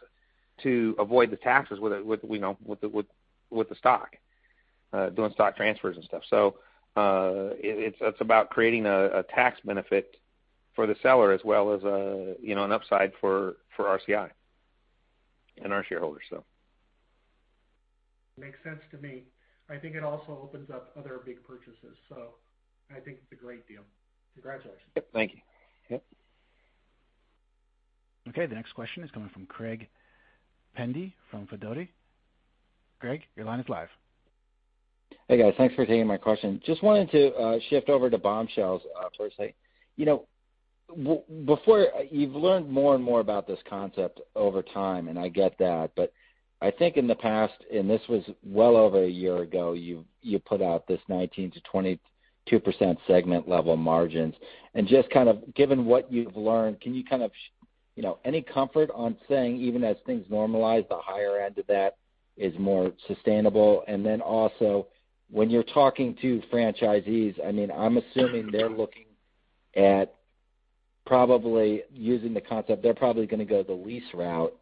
C: to avoid the taxes with the stock, doing stock transfers and stuff. It's about creating a tax benefit for the seller as well as an upside for RCI and our shareholders.
G: Makes sense to me. I think it also opens up other big purchases, I think it's a great deal. Congratulations.
C: Thank you. Yep.
A: Okay, the next question is coming from Greg Pendy from Sidoti. Greg, your line is live.
H: Hey, guys. Thanks for taking my question. Wanted to shift over to Bombshells for a second. You've learned more and more about this concept over time. I get that. I think in the past, this was well over a year ago, you put out this 19%-22% segment-level margins. Given what you've learned, can you- any comfort on saying, even as things normalize, the higher end of that is more sustainable? Also, when you're talking to franchisees, I'm assuming they're looking at probably using the concept. They're probably going to go the lease route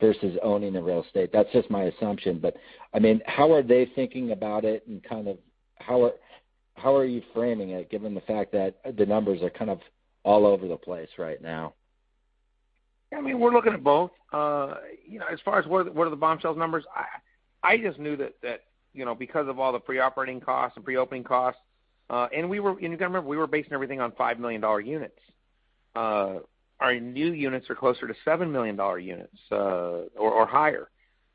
H: versus owning the real estate. That's just my assumption. How are they thinking about it? How are you framing it, given the fact that the numbers are kind of all over the place right now?
C: Yeah, we're looking at both. As far as what are the Bombshells numbers, I just knew that because of all the pre-operating costs and pre-opening costs. You got to remember, we were basing everything on $5 million units. Our new units are closer to $7 million units or higher.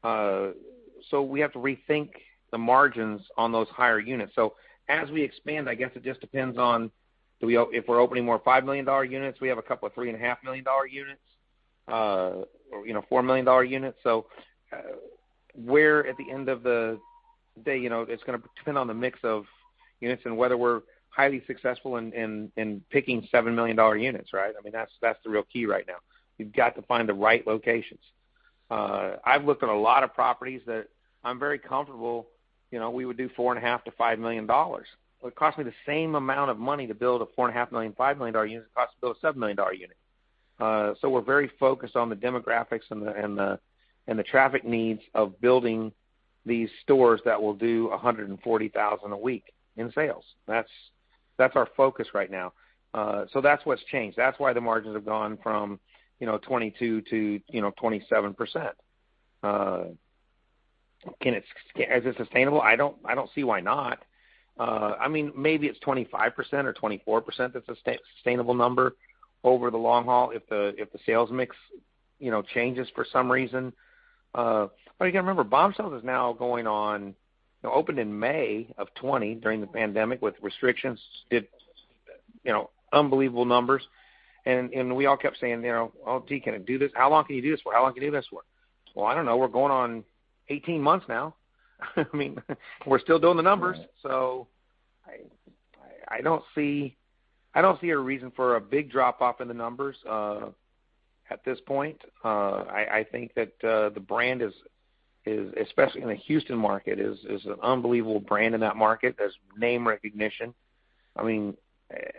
C: We have to rethink the margins on those higher units. As we expand, I guess it just depends on if we're opening more $5 million units. We have a couple of $3.5 million units, or $4 million units. Where at the end of the day, it's going to depend on the mix of units and whether we're highly successful in picking $7 million units, right? That's the real key right now. We've got to find the right locations. I've looked at a lot of properties that I'm very comfortable we would do $4.5 million-$5 million. It would cost me the same amount of money to build a $4.5 million, $5 million unit as it costs to build a $7 million unit. We're very focused on the demographics and the traffic needs of building these stores that will do $140,000 a week in sales. That's our focus right now. That's what's changed. That's why the margins have gone from 22%-27%. Is it sustainable? I don't see why not. Maybe it's 25% or 24% that's a sustainable number over the long haul if the sales mix changes for some reason. You got to remember, Bombshells is now going on. It opened in May of 2020, during the pandemic, with restrictions, did unbelievable numbers. We all kept saying, "Well, gee, can it do this? How long can you do this for?" Well, I don't know. We're going on 18 months now. We're still doing the numbers.
H: Right.
C: I don't see a reason for a big drop-off in the numbers at this point. I think that the brand, especially in the Houston market, is an unbelievable brand in that market. There's name recognition.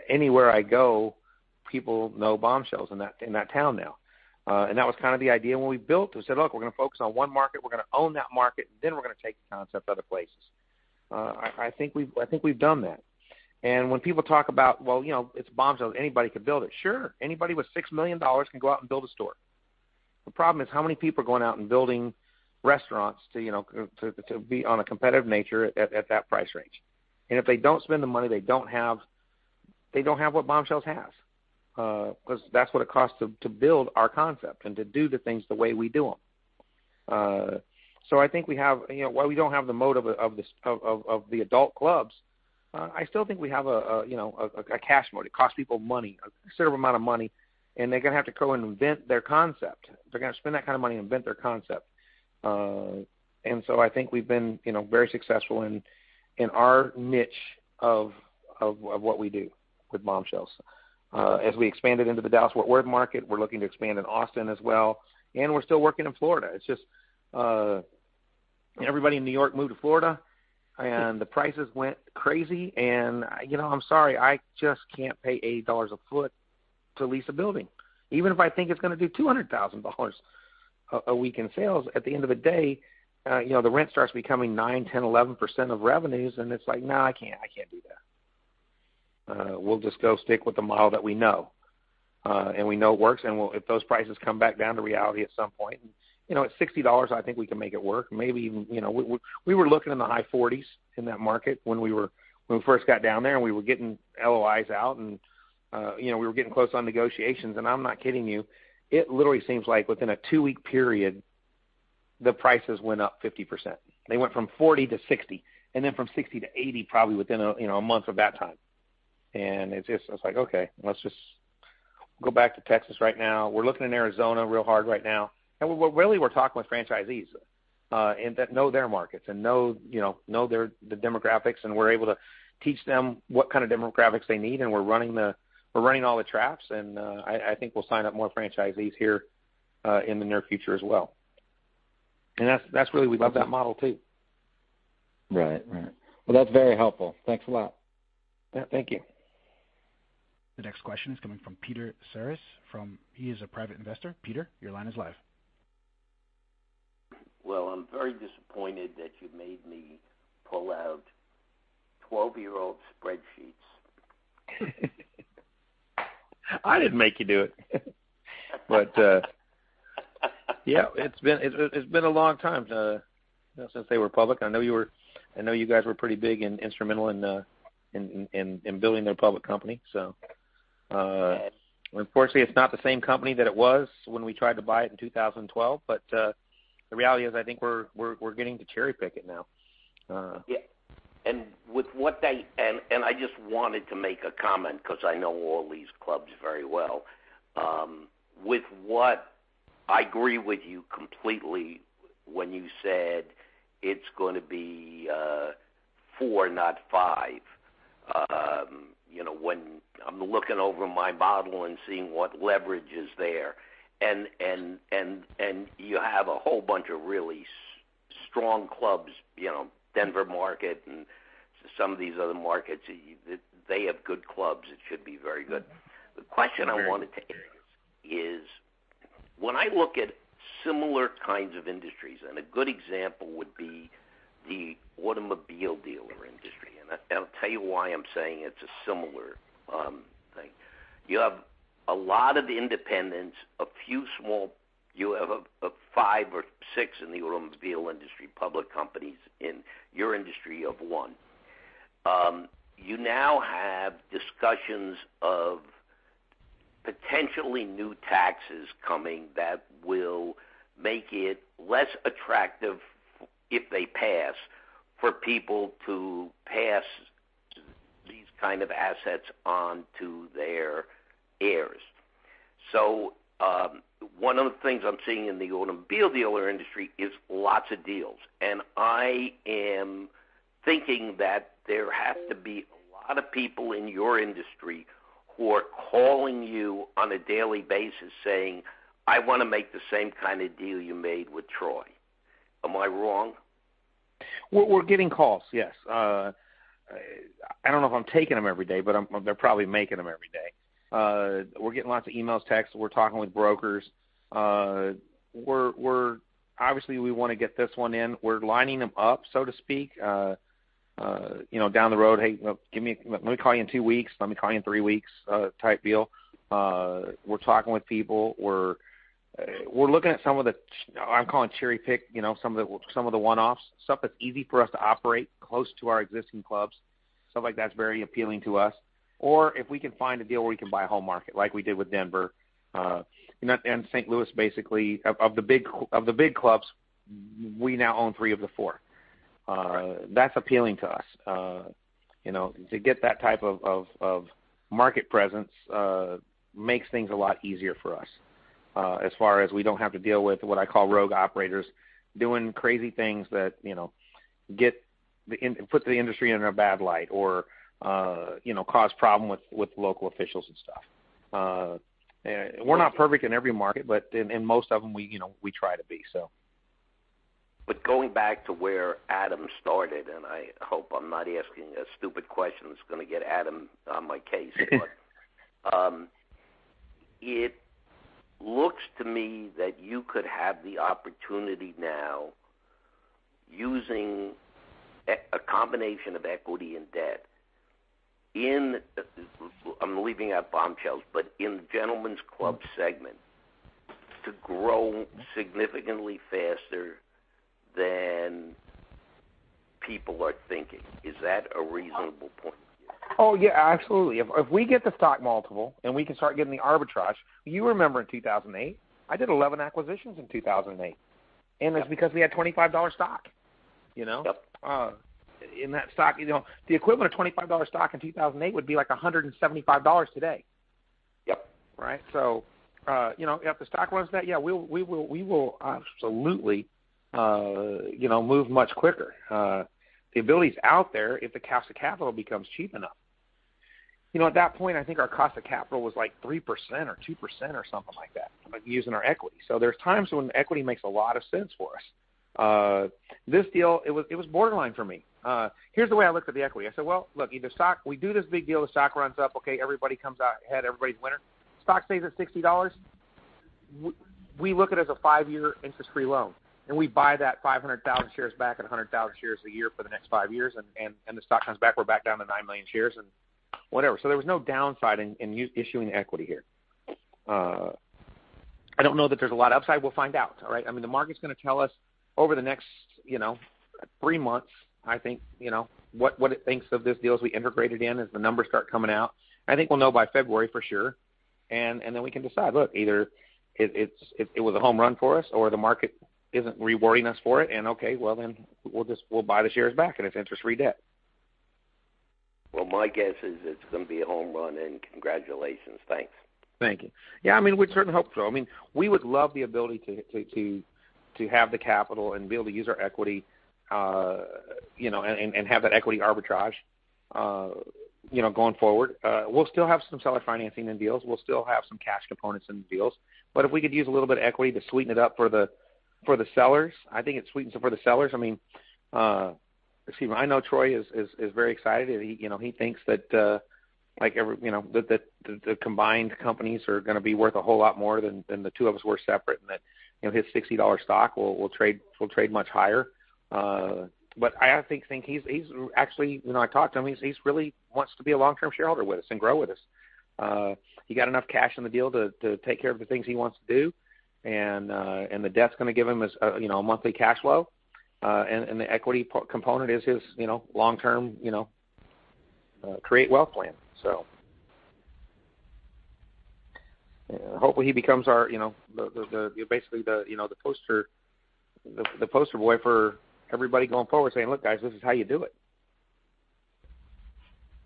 C: Anywhere I go, people know Bombshells in that town now. That was kind of the idea when we built this. We said, "Look, we're going to focus on one market. We're going to own that market, then we're going to take the concept other places." I think we've done that. When people talk about, "Well, it's Bombshells." Anybody could build it. Sure. Anybody with $6 million can go out and build a store. The problem is how many people are going out and building restaurants to be on a competitive nature at that price range. If they don't spend the money, they don't have what Bombshells has. That's what it costs to build our concept and to do the things the way we do them. I think while we don't have the moat of the adult clubs, I still think we have a cash moat. It costs people money, a considerable amount of money, and they're going to have to go and invent their concept. They're going to spend that kind of money and invent their concept. I think we've been very successful in our niche of what we do with Bombshells. As we expanded into the Dallas-Fort Worth market, we're looking to expand in Austin as well, and we're still working in Florida. It's just everybody in New York moved to Florida, and the prices went crazy, and I'm sorry, I just can't pay $80 a foot to lease a building. Even if I think it's going to do $200,000 a week in sales, at the end of the day, the rent starts becoming 9%, 10%, 11% of revenues, and it's like, "No, I can't do that." We'll just go stick with the model that we know, and we know works, and if those prices come back down to reality at some point At $60, I think we can make it work. We were looking in the high 40s in that market when we first got down there, and we were getting LOIs out, and we were getting close on negotiations, and I'm not kidding you, it literally seems like within a two-week period, the prices went up 50%. They went from 40%-60%, and then from 60%-80%, probably within a month of that time. It's just, I was like, "Okay, let's just go back to Texas right now." We're looking in Arizona real hard right now. Really, we're talking with franchisees, and that know their markets, and know the demographics, and we're able to teach them what kind of demographics they need, and we're running all the traps, and I think we'll sign up more franchisees here in the near future as well. That's really we love that model, too.
H: Right. Well, that's very helpful. Thanks a lot.
C: Yeah, thank you.
A: The next question is coming from Peter Siris. He is a private investor. Peter, your line is live.
I: Well, I'm very disappointed that you made me pull out 12-year-old spreadsheets.
C: I didn't make you do it. Yeah. It's been a long time since they were public. I know you guys were pretty big and instrumental in building their public company.
I: Yes.
C: Unfortunately, it's not the same company that it was when we tried to buy it in 2012, but the reality is, I think we're getting to cherry-pick it now.
I: Yeah. I just wanted to make a comment because I know all these clubs very well. I agree with you completely when you said it's going to be four, not five. When I'm looking over my model and seeing what leverage is there, and you have a whole bunch of really strong clubs, Denver market, and some of these other markets, they have good clubs. It should be very good. The question I wanted to ask is, when I look at similar kinds of industries, and a good example would be the automobile dealer industry, and I'll tell you why I'm saying it's a similar thing. You have a lot of independents. You have five or six in the automobile industry, public companies. In your industry, you have one. You now have discussions of potentially new taxes coming that will make it less attractive, if they pass, for people to pass these kind of assets on to their heirs. One of the things I'm seeing in the automobile dealer industry is lots of deals. I am thinking that there has to be a lot of people in your industry who are calling you on a daily basis saying, "I want to make the same kind of deal you made with Troy." Am I wrong?
C: We're getting calls, yes. I don't know if I'm taking them every day, but they're probably making them every day. We're getting lots of emails, texts. We're talking with brokers. Obviously, we want to get this one in. We're lining them up, so to speak, down the road. "Hey, let me call you in two weeks. Let me call you in three weeks," type deal. We're talking with people. We're looking at some of the, I'm calling cherry-pick, some of the one-offs, stuff that's easy for us to operate close to our existing clubs. Stuff like that's very appealing to us. If we can find a deal where we can buy a whole market like we did with Denver and St. Louis, basically, of the big clubs, we now own three of the four. That's appealing to us. To get that type of market presence makes things a lot easier for us, as far as we don't have to deal with what I call rogue operators doing crazy things that put the industry in a bad light or cause problem with local officials and stuff. We're not perfect in every market, but in most of them, we try to be.
I: Going back to where Adam started, and I hope I'm not asking a stupid question that's going to get Adam on my case. It looks to me that you could have the opportunity now, using a combination of equity and debt in, I'm leaving out Bombshells, but in the gentlemen's club segment, to grow significantly faster than people are thinking. Is that a reasonable point of view?
C: Oh, yeah. Absolutely. If we get the stock multiple, and we can start getting the arbitrage, you remember in 2008, I did 11 acquisitions in 2008, and it's because we had $25 stock.
I: Yep.
C: In that stock, the equivalent of $25 stock in 2008 would be like $175 today.
I: Yep.
C: Right. If the stock was that, yeah, we will absolutely move much quicker. The ability's out there if the cost of capital becomes cheap enough. At that point, I think our cost of capital was like 3% or 2% or something like that, using our equity. There's times when equity makes a lot of sense for us. This deal, it was borderline for me. Here's the way I looked at the equity. I said, "Well, look, either we do this big deal, the stock runs up, okay, everybody comes out ahead, everybody's a winner." Stock stays at $60, we look at it as a five-year interest-free loan, and we buy that 500,000 shares back at 100,000 shares a year for the next five years, and the stock comes back, we're back down to 9 million shares. There was no downside in issuing equity here. I don't know that there's a lot of upside. We'll find out. All right? The market's going to tell us over the next three months, I think, what it thinks of this deal as we integrate it in, as the numbers start coming out. I think we'll know by February for sure, and then we can decide. Look, either it was a home run for us, or the market isn't rewarding us for it, and okay, well then, we'll buy the shares back, and it's interest-free debt.
I: Well, my guess is it's going to be a home run, and congratulations. Thanks.
C: Thank you. Yeah, we certainly hope so. We would love the ability to have the capital and be able to use our equity, and have that equity arbitrage going forward. We'll still have some seller financing in deals. We'll still have some cash components in deals. If we could use a little bit of equity to sweeten it up for the sellers, I think it sweetens it for the sellers. I know Troy is very excited. He thinks that the combined companies are going to be worth a whole lot more than the two of us were separate, and that his $60 stock will trade much higher. Actually, when I talked to him, he really wants to be a long-term shareholder with us and grow with us. He got enough cash in the deal to take care of the things he wants to do, and the debt's going to give him his monthly cash flow, and the equity component is his long-term create wealth plan. Hopefully he becomes basically the poster boy for everybody going forward saying, "Look, guys, this is how you do it."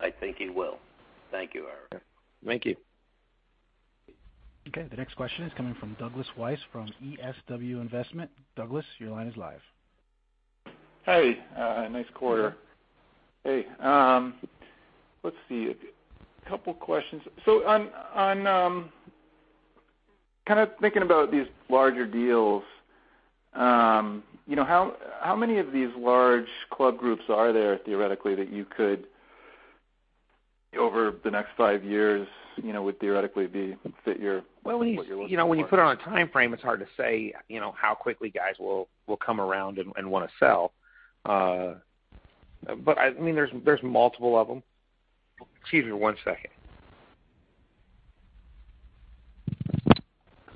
I: I think he will. Thank you, Eric.
C: Thank you.
A: Okay. The next question is coming from Douglas Weiss from DSW Investment. Douglas, your line is live.
J: Hey, nice quarter. Hey. Let's see. A couple questions. On thinking about these larger deals, how many of these large club groups are there theoretically that you could, over the next five years, would theoretically fit what you're looking for?
C: When you put it on a timeframe, it's hard to say how quickly guys will come around and want to sell. There's multiple of them. Excuse me, one second.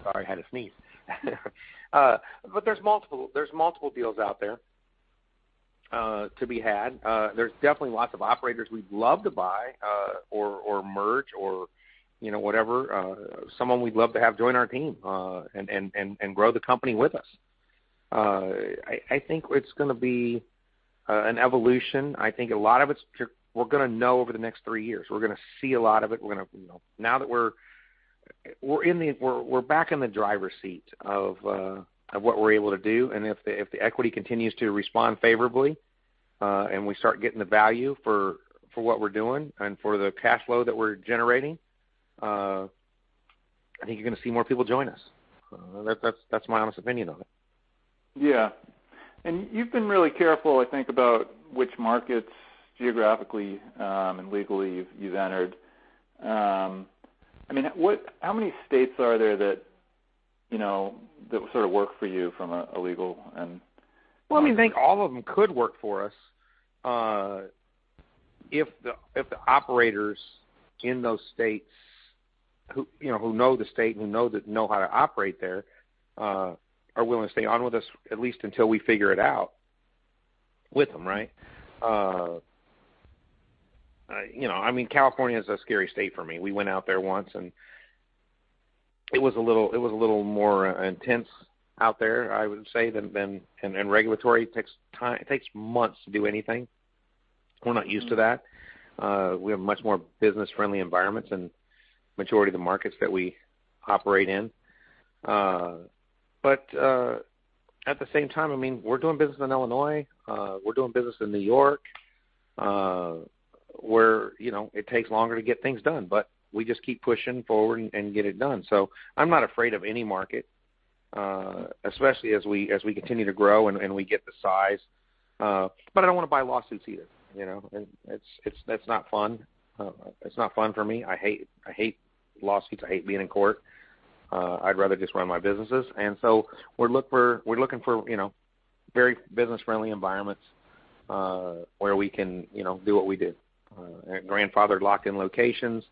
C: Sorry, I had to sneeze. There's multiple deals out there to be had. There's definitely lots of operators we'd love to buy or merge, or whatever. Someone we'd love to have join our team, and grow the company with us. I think it's going to be an evolution. I think a lot of it, we're going to know over the next three years. We're going to see a lot of it. Now that we're back in the driver's seat of what we're able to do, and if the equity continues to respond favorably, and we start getting the value for what we're doing and for the free cash flow that we're generating, I think you're going to see more people join us. That's my honest opinion of it.
J: Yeah. You've been really careful, I think, about which markets geographically, and legally you've entered. How many states are there that work for you from a legal and-
C: Well, I think all of them could work for us, if the operators in those states who know the state and know how to operate there, are willing to stay on with us, at least until we figure it out with them, right? California is a scary state for me. We went out there once, and it was a little more intense out there, I would say, and regulatory takes months to do anything. We're not used to that. We have much more business-friendly environments in majority of the markets that we operate in. At the same time, we're doing business in Illinois. We're doing business in New York, where it takes longer to get things done, but we just keep pushing forward and get it done. I'm not afraid of any market, especially as we continue to grow and we get the size. I don't want to buy lawsuits either. That's not fun. It's not fun for me. I hate lawsuits. I hate being in court. I'd rather just run my businesses. We're looking for very business-friendly environments, where we can do what we do. Grandfathered, locked-in locations.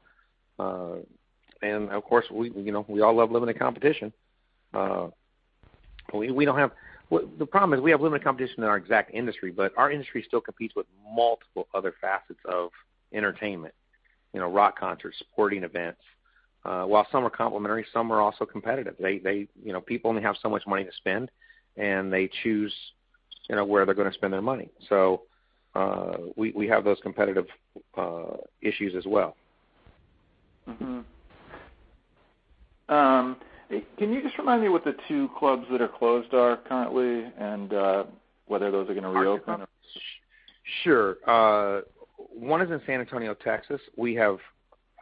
C: Of course, we all love limited competition. The problem is we have limited competition in our exact industry, but our industry still competes with multiple other facets of entertainment. Rock concerts, sporting events. While some are complimentary, some are also competitive. People only have so much money to spend, and they choose where they're going to spend their money. We have those competitive issues as well.
J: Mm-hmm. Can you just remind me what the two clubs that are closed are currently, and whether those are going to reopen?
C: Sure. One is in San Antonio, Texas. We have,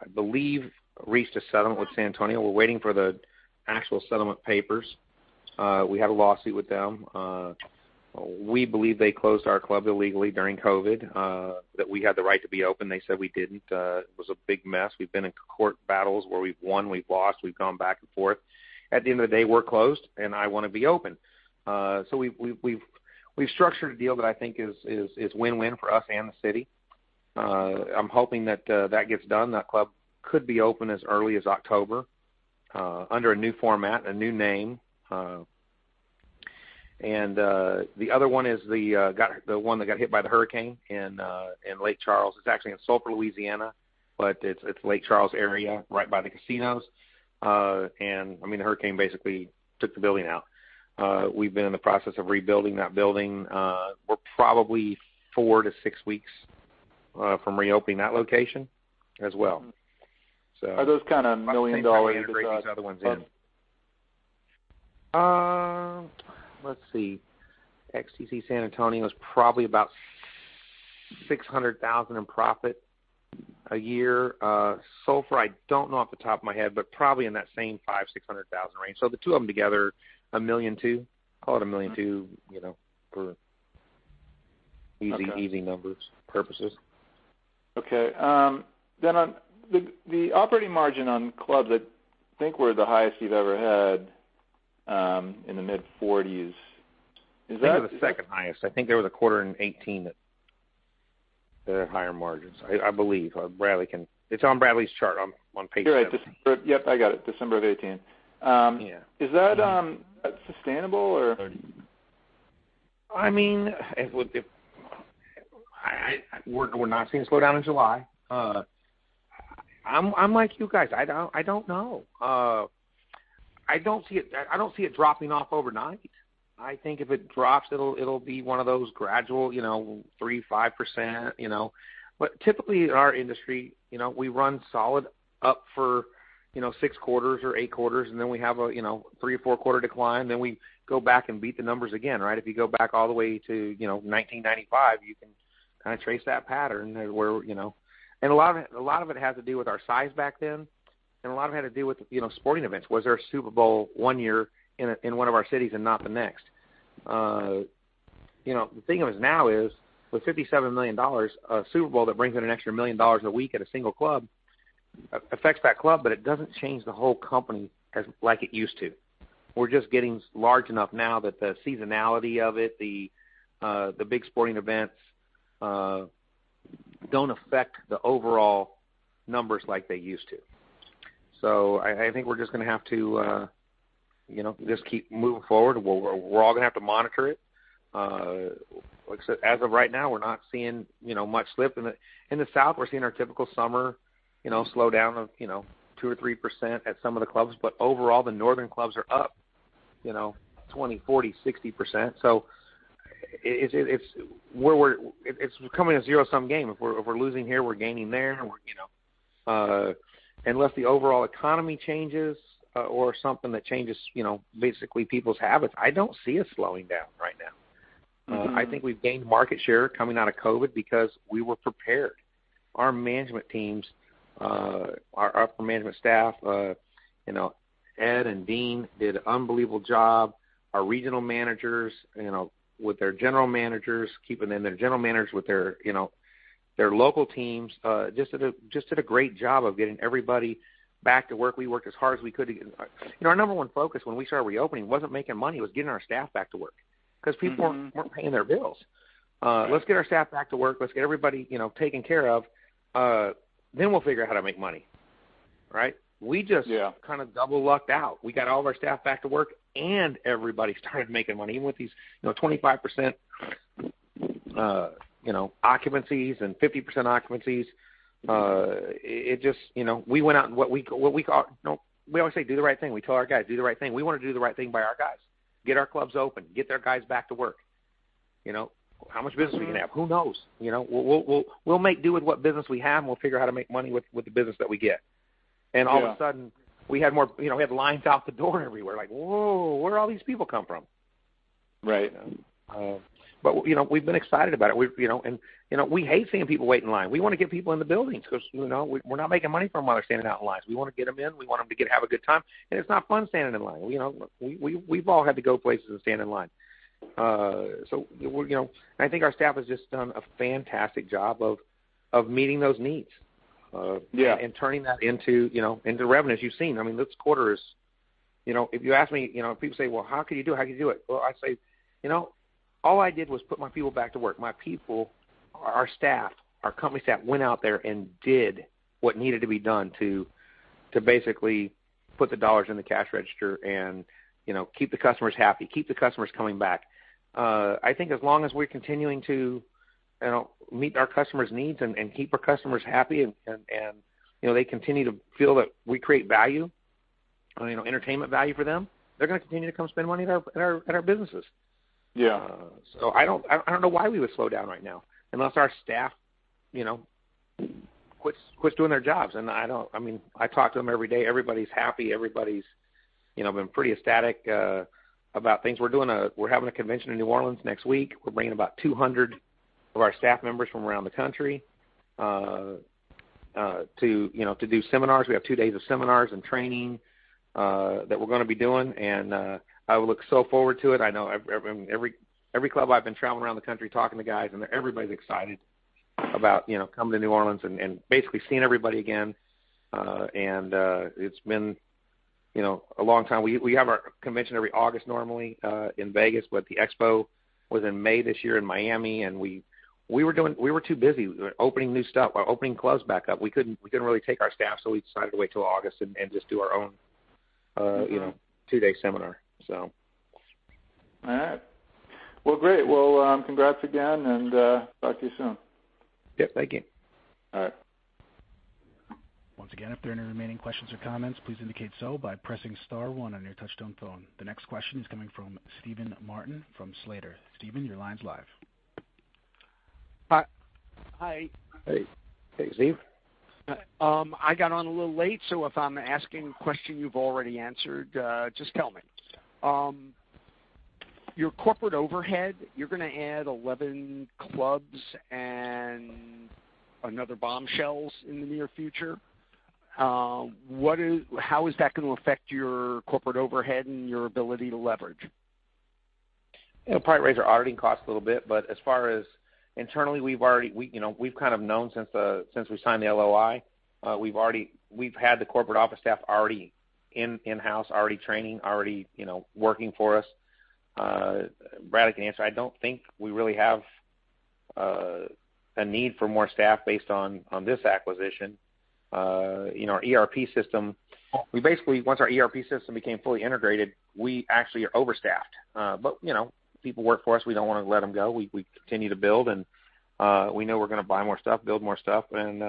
C: I believe, reached a settlement with San Antonio. We're waiting for the actual settlement papers. We had a lawsuit with them. We believe they closed our club illegally during COVID, that we had the right to be open. They said we didn't. It was a big mess. We've been in court battles where we've won, we've lost, we've gone back and forth. At the end of the day, we're closed, and I want to be open. We've structured a deal that I think is win-win for us and the city. I'm hoping that that gets done. That club could be open as early as October, under a new format and a new name. The other one is the one that got hit by the hurricane in Lake Charles. It's actually in Sulphur, Louisiana, but it's Lake Charles area, right by the casinos. The hurricane basically took the building out. We've been in the process of rebuilding that building. We're probably four to six weeks from reopening that location as well.
J: Are those million-dollar-
C: Let me see if I can break these other ones in.
J: -clubs?
C: Let's see. XTC San Antonio is probably about $600,000 in profit a year. Sulphur, I don't know off the top of my head, but probably in that same $500,000-$600,000 range. The two of them together, $1.2 million. Call it $1.2 million for easy numbers purposes.
J: Okay. On the operating margin on clubs, I think we're the highest we've ever had, in the mid-40%. Is that?
C: I think we're the second highest. I think there was a quarter in 2018 that had higher margins. I believe. It's on Bradley's chart, on page 7.
J: You're right. Yep, I got it. December of 2018.
C: Yeah.
J: Is that sustainable or?
C: We're not seeing a slowdown in July. I'm like you guys, I don't know. I don't see it dropping off overnight. I think if it drops, it'll be one of those gradual 3%, 5%. Typically, in our industry, we run solid up for six quarters or eight quarters, and then we have a three or four-quarter decline, then we go back and beat the numbers again. If you go back all the way to 1995, you can kind of trace that pattern. A lot of it had to do with our size back then, and a lot of it had to do with sporting events. Was there a Super Bowl one year in one of our cities and not the next? The thing of it now is, with $57 million, a Super Bowl that brings in an extra $1 million a week at a single club affects that club, but it doesn't change the whole company like it used to. We're just getting large enough now that the seasonality of it, the big sporting events, don't affect the overall numbers like they used to. I think we're just going to have to just keep moving forward. We're all going to have to monitor it. As of right now, we're not seeing much slip. In the South, we're seeing our typical summer slowdown of 2% or 3% at some of the clubs. Overall, the northern clubs are up 20%, 40%, 60%. It's becoming a zero-sum game. If we're losing here, we're gaining there. Unless the overall economy changes or something that changes basically people's habits, I don't see us slowing down right now. I think we've gained market share coming out of COVID because we were prepared. Our management teams, our upper management staff, Ed and Dean did an unbelievable job. Our regional managers, with their general managers with their local teams, just did a great job of getting everybody back to work. We worked as hard as we could. Our number one focus when we started reopening wasn't making money, it was getting our staff back to work, because people weren't paying their bills.
J: Right.
C: Let's get our staff back to work. Let's get everybody taken care of, then we'll figure out how to make money. Right?
J: Yeah.
C: We just kind of double-lucked out. We got all of our staff back to work, and everybody started making money, even with these 25% occupancies and 50% occupancies. We always say do the right thing. We tell our guys, do the right thing. We want to do the right thing by our guys. Get our clubs open, get their guys back to work. How much business are we going to have? Who knows? We'll make do with what business we have, and we'll figure out how to make money with the business that we get.
J: Yeah.
C: All of a sudden, we had lines out the door everywhere, like, whoa, where did all these people come from?
J: Right.
C: We've been excited about it. We hate seeing people wait in line. We want to get people in the buildings because we're not making money from them while they're standing out in lines. We want to get them in, we want them to have a good time, and it's not fun standing in line. We've all had to go places and stand in line. I think our staff has just done a fantastic job of meeting those needs-
J: Yeah.
C: -and turning that into revenue, as you've seen. If people say, "Well, how could you do it?" Well, I say all I did was put my people back to work. My people, our staff, our company staff went out there and did what needed to be done to basically put the dollars in the cash register and keep the customers happy, keep the customers coming back. I think as long as we're continuing to meet our customers' needs and keep our customers happy, and they continue to feel that we create value, entertainment value for them, they're going to continue to come spend money at our businesses.
J: Yeah.
C: I don't know why we would slow down right now, unless our staff quits doing their jobs, and I talk to them every day. Everybody's happy. Everybody's been pretty ecstatic about things. We're having a convention in New Orleans next week. We're bringing about 200 of our staff members from around the country to do seminars. We have two days of seminars and training that we're going to be doing, and I look so forward to it. Every club I've been traveling around the country talking to guys, and everybody's excited about coming to New Orleans and basically seeing everybody again. It's been a long time. We have our convention every August normally in Vegas, but the expo was in May this year in Miami, and we were too busy. We were opening new stuff. We were opening clubs back up. We couldn't really take our staff, so we decided to wait till August and just do our own two-day seminar.
J: All right. Well, great. Well, congrats again, and talk to you soon.
C: Yep, thank you.
J: All right.
A: Once again, if there are any remaining questions or comments, please indicate so by pressing star one on your touch-tone phone. The next question is coming from Steven Martin from Slater. Steven, your line's live.
K: Hi.
C: Hey. Hey, Steve.
K: I got on a little late, so if I'm asking a question you've already answered, just tell me. Your corporate overhead, you're going to add 11 clubs and another Bombshells in the near future. How is that going to affect your corporate overhead and your ability to leverage?
C: It'll probably raise our auditing costs a little bit. As far as internally, we've kind of known since we signed the LOI. We've had the corporate office staff already in-house, already training, already working for us. Brad can answer. I don't think we really have a need for more staff based on this acquisition. Our ERP system. We basically, once our ERP system became fully integrated, we actually are overstaffed. People work for us, we don't want to let them go. We continue to build. We know we're going to buy more stuff, build more stuff. So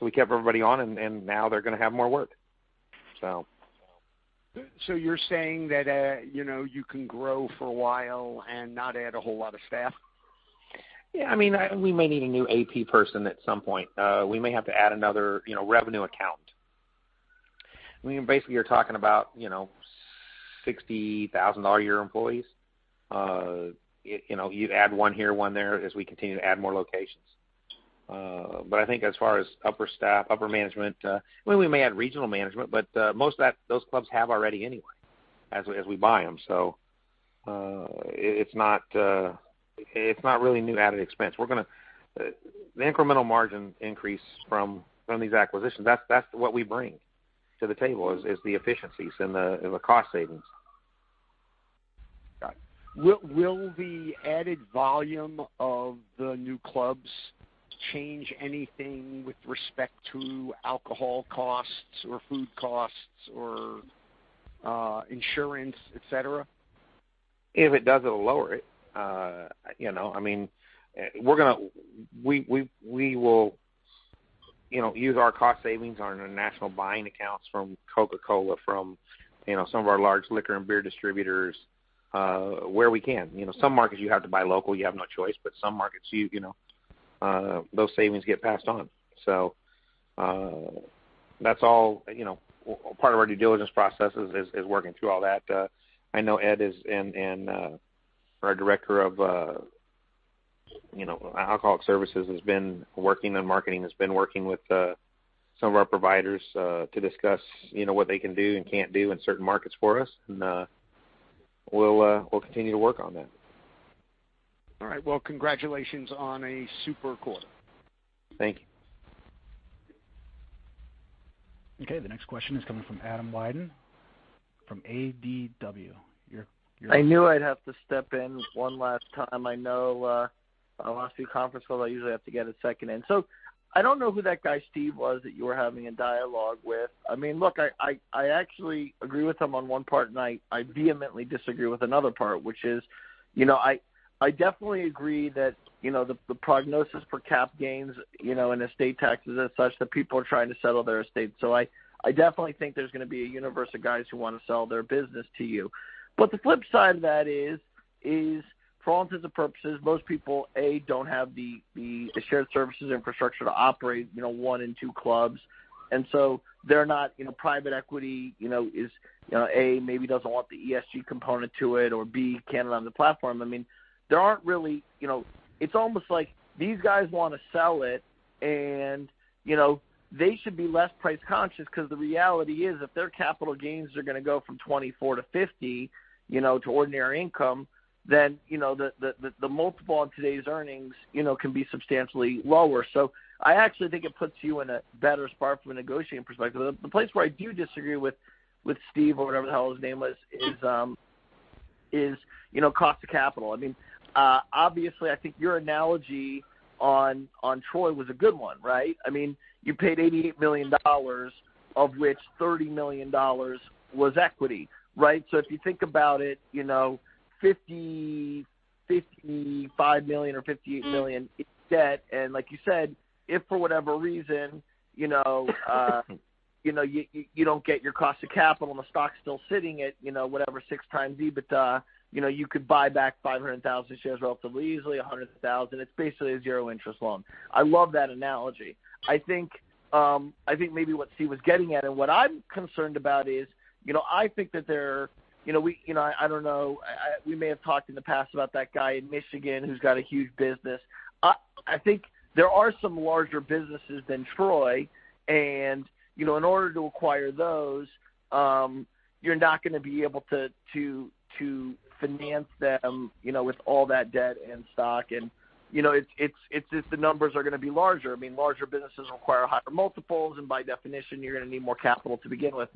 C: we kept everybody on. Now they're going to have more work.
K: You're saying that you can grow for a while and not add a whole lot of staff?
C: Yeah, we may need a new AP person at some point. We may have to add another revenue account. Basically you're talking about $60,000 a year employees. You add one here, one there as we continue to add more locations. I think as far as upper staff, upper management, we may add regional management, but most of those clubs have already anyway as we buy them. It's not really new added expense. The incremental margin increase from these acquisitions, that's what we bring to the table is the efficiencies and the cost savings.
K: Got it. Will the added volume of the new clubs change anything with respect to alcohol costs or food costs or insurance, et cetera?
C: If it does, it'll lower it. We will use our cost savings on our national buying accounts from Coca-Cola, from some of our large liquor and beer distributors where we can. Some markets you have to buy local, you have no choice, but some markets, those savings get passed on. That's all part of our due diligence processes is working through all that. I know Ed and our director of alcoholic services has been working on marketing, has been working with some of our providers to discuss what they can do and can't do in certain markets for us, and we'll continue to work on that.
K: All right. Well, congratulations on a super quarter.
C: Thank you.
A: Okay, the next question is coming from Adam Wyden from ADW.
E: I knew I'd have to step in one last time. I know our last few conference calls, I usually have to get a second in. I don't know who that guy Steve was that you were having a dialogue with. Look, I actually agree with him on one part, and I vehemently disagree with another part, which is, I definitely agree that the prognosis for cap gains in estate taxes is such that people are trying to settle their estate. I definitely think there's going to be a universe of guys who want to sell their business to you. The flip side of that is, for all intents and purposes, most people, A, don't have the shared services infrastructure to operate one and two clubs. They're not private equity, is A, maybe doesn't want the ESG component to it or B, can't run the platform. It's almost like these guys want to sell it and they should be less price conscious because the reality is, if their capital gains are going to go from 24 to 50, to ordinary income, then the multiple on today's earnings can be substantially lower. I actually think it puts you in a better spot from a negotiating perspective. The place where I do disagree with Steve or whatever the hell his name was is cost of capital. Obviously, I think your analogy on Troy was a good one, right? You paid $88 million, of which $30 million was equity, right? If you think about it, $55 million or $58 million in debt, and like you said, if for whatever reason you don't get your cost of capital and the stock's still sitting at whatever, 6x EBITDA, you could buy back 500,000 shares relatively easily, 100,000. It's basically a zero-interest loan. I love that analogy. I think maybe what Steve was getting at, and what I'm concerned about is, I think that there I don't know, we may have talked in the past about that guy in Michigan who's got a huge business. I think there are some larger businesses than Troy, and in order to acquire those, you're not going to be able to finance them with all that debt and stock, and it's the numbers are going to be larger. Larger businesses require higher multiples, and by definition, you're going to need more capital to begin with.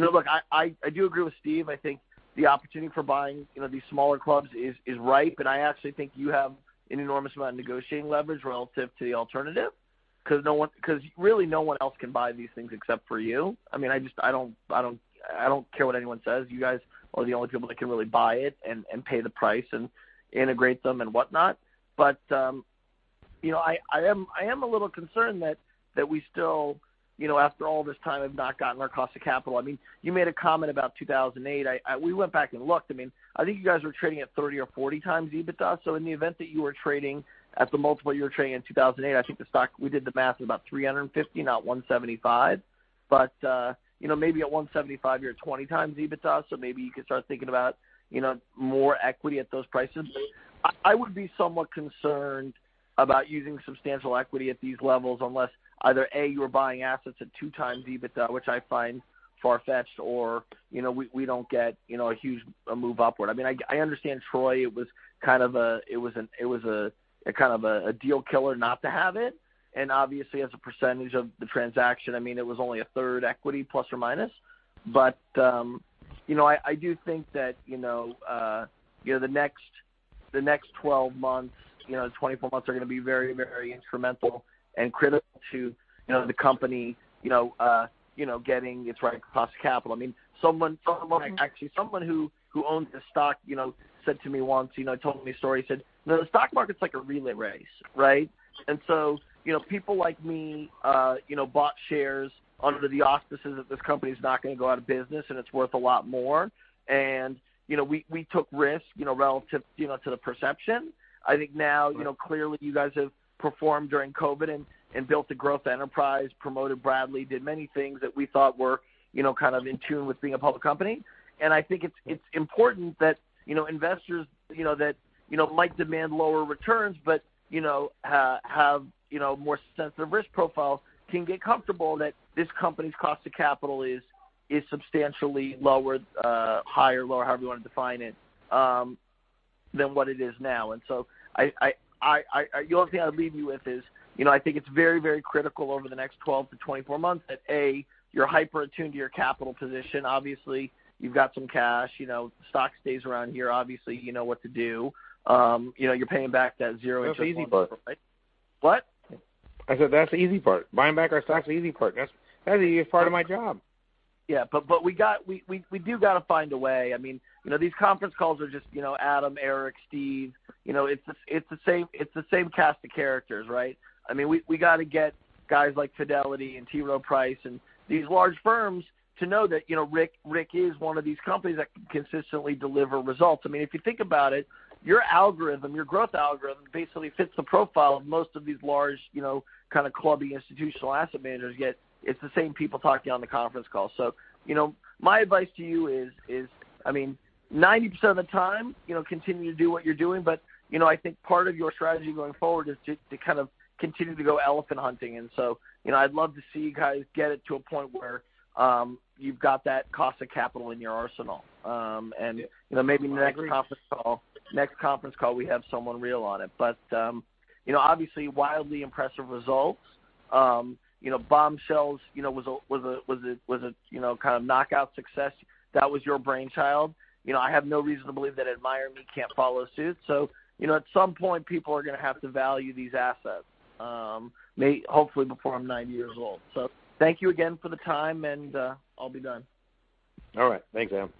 E: Look, I do agree with Steve. I think the opportunity for buying these smaller clubs is ripe, and I actually think you have an enormous amount of negotiating leverage relative to the alternative, because really no one else can buy these things except for you. I don't care what anyone says. You guys are the only people that can really buy it and pay the price and integrate them and whatnot. I am a little concerned that we still, after all this time, have not gotten our cost of capital. You made a comment about 2008. We went back and looked. I think you guys were trading at 30x or 40x EBITDA. In the event that you were trading at the multiple you were trading in 2008, I think the stock, we did the math, is about $350, not $175. Maybe at $175, you're at 20x EBITDA, so maybe you could start thinking about more equity at those prices. I would be somewhat concerned about using substantial equity at these levels unless either A, you are buying assets at 2x EBITDA, which I find far-fetched, or we don't get a huge move upward. I understand Troy, it was a kind of a deal killer not to have it, and obviously as a percentage of the transaction, it was only a third equity plus or minus. I do think that the next 12 months, 24 months are going to be very incremental and critical to the company getting its right cost of capital. Actually, someone who owns the stock said to me once, told me a story. He said, "The stock market's like a relay race." People like me bought shares under the auspices that this company's not going to go out of business, and it's worth a lot more. We took risks relative to the perception. I think now, clearly, you guys have performed during COVID and built a growth enterprise, promoted Bradley, did many things that we thought were in tune with being a public company. I think it's important that investors that might demand lower returns but have more sensitive risk profiles can get comfortable that this company's cost of capital is substantially higher or lower, however you want to define it, than what it is now. The only thing I'd leave you with is, I think it's very critical over the next 12-24 months that, A, you're hyper attuned to your capital position. Obviously, you've got some cash. Stock stays around here, obviously you know what to do. You're paying back that zero-interest loan.
C: That's the easy part.
E: What?
C: I said that's the easy part. Buying back our stock is the easy part. That's the easiest part of my job.
E: Yeah. We do got to find a way. These conference calls are just Adam, Eric, Steve. It's the same cast of characters, right? We got to get guys like Fidelity and T. Rowe Price and these large firms to know that RCI is one of these companies that can consistently deliver results. If you think about it, your algorithm, your growth algorithm, basically fits the profile of most of these large clubby institutional asset managers, yet it's the same people talking on the conference call. My advice to you is, 90% of the time, continue to do what you're doing. I think part of your strategy going forward is just to continue to go elephant hunting. I'd love to see you guys get it to a point where you've got that cost of capital in your arsenal. Maybe next conference call, we have someone real on it. Obviously wildly impressive results. Bombshells was a kind of knockout success. That was your brainchild. I have no reason to believe that AdmireMe can't follow suit. At some point, people are going to have to value these assets, hopefully before I'm 90 years old. Thank you again for the time, and I'll be done.
C: All right. Thanks, Adam.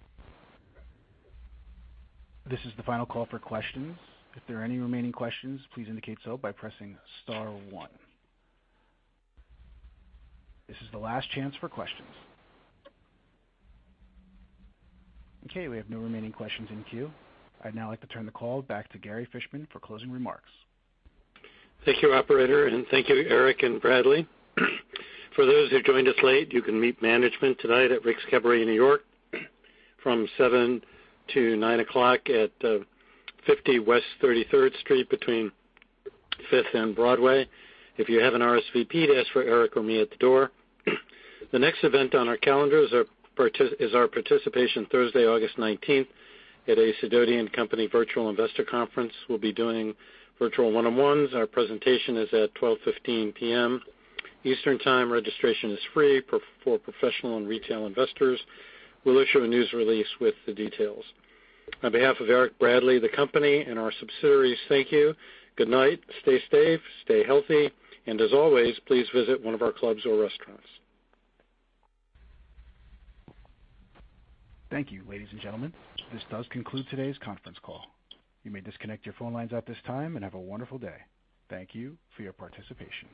A: This is the final call for questions. If there are any remaining questions, please indicate so by pressing star one. This is the last chance for questions. Okay, we have no remaining questions in queue. I'd now like to turn the call back to Gary Fishman for closing remarks.
B: Thank you, operator, and thank you, Eric and Bradley. For those who joined us late, you can meet management tonight at Rick's Cabaret New York from 7:00 P.M. to 9:00 P.M. at 50 West 33rd Street between Fifth and Broadway. If you have an RSVP, just ask for Eric or me at the door. The next event on our calendar is our participation Thursday, August 19th, at a Sidoti & Company Virtual Investor Conference. We'll be doing virtual one-on-ones. Our presentation is at 12:15 P.M. Eastern Time. Registration is free for professional and retail investors. We'll issue a news release with the details. On behalf of Eric Bradley, the company, and our subsidiaries, thank you. Good night. Stay safe, stay healthy, and as always, please visit one of our clubs or restaurants.
A: Thank you, ladies and gentlemen. This does conclude today's conference call. You may disconnect your phone lines at this time and have a wonderful day. Thank you for your participation.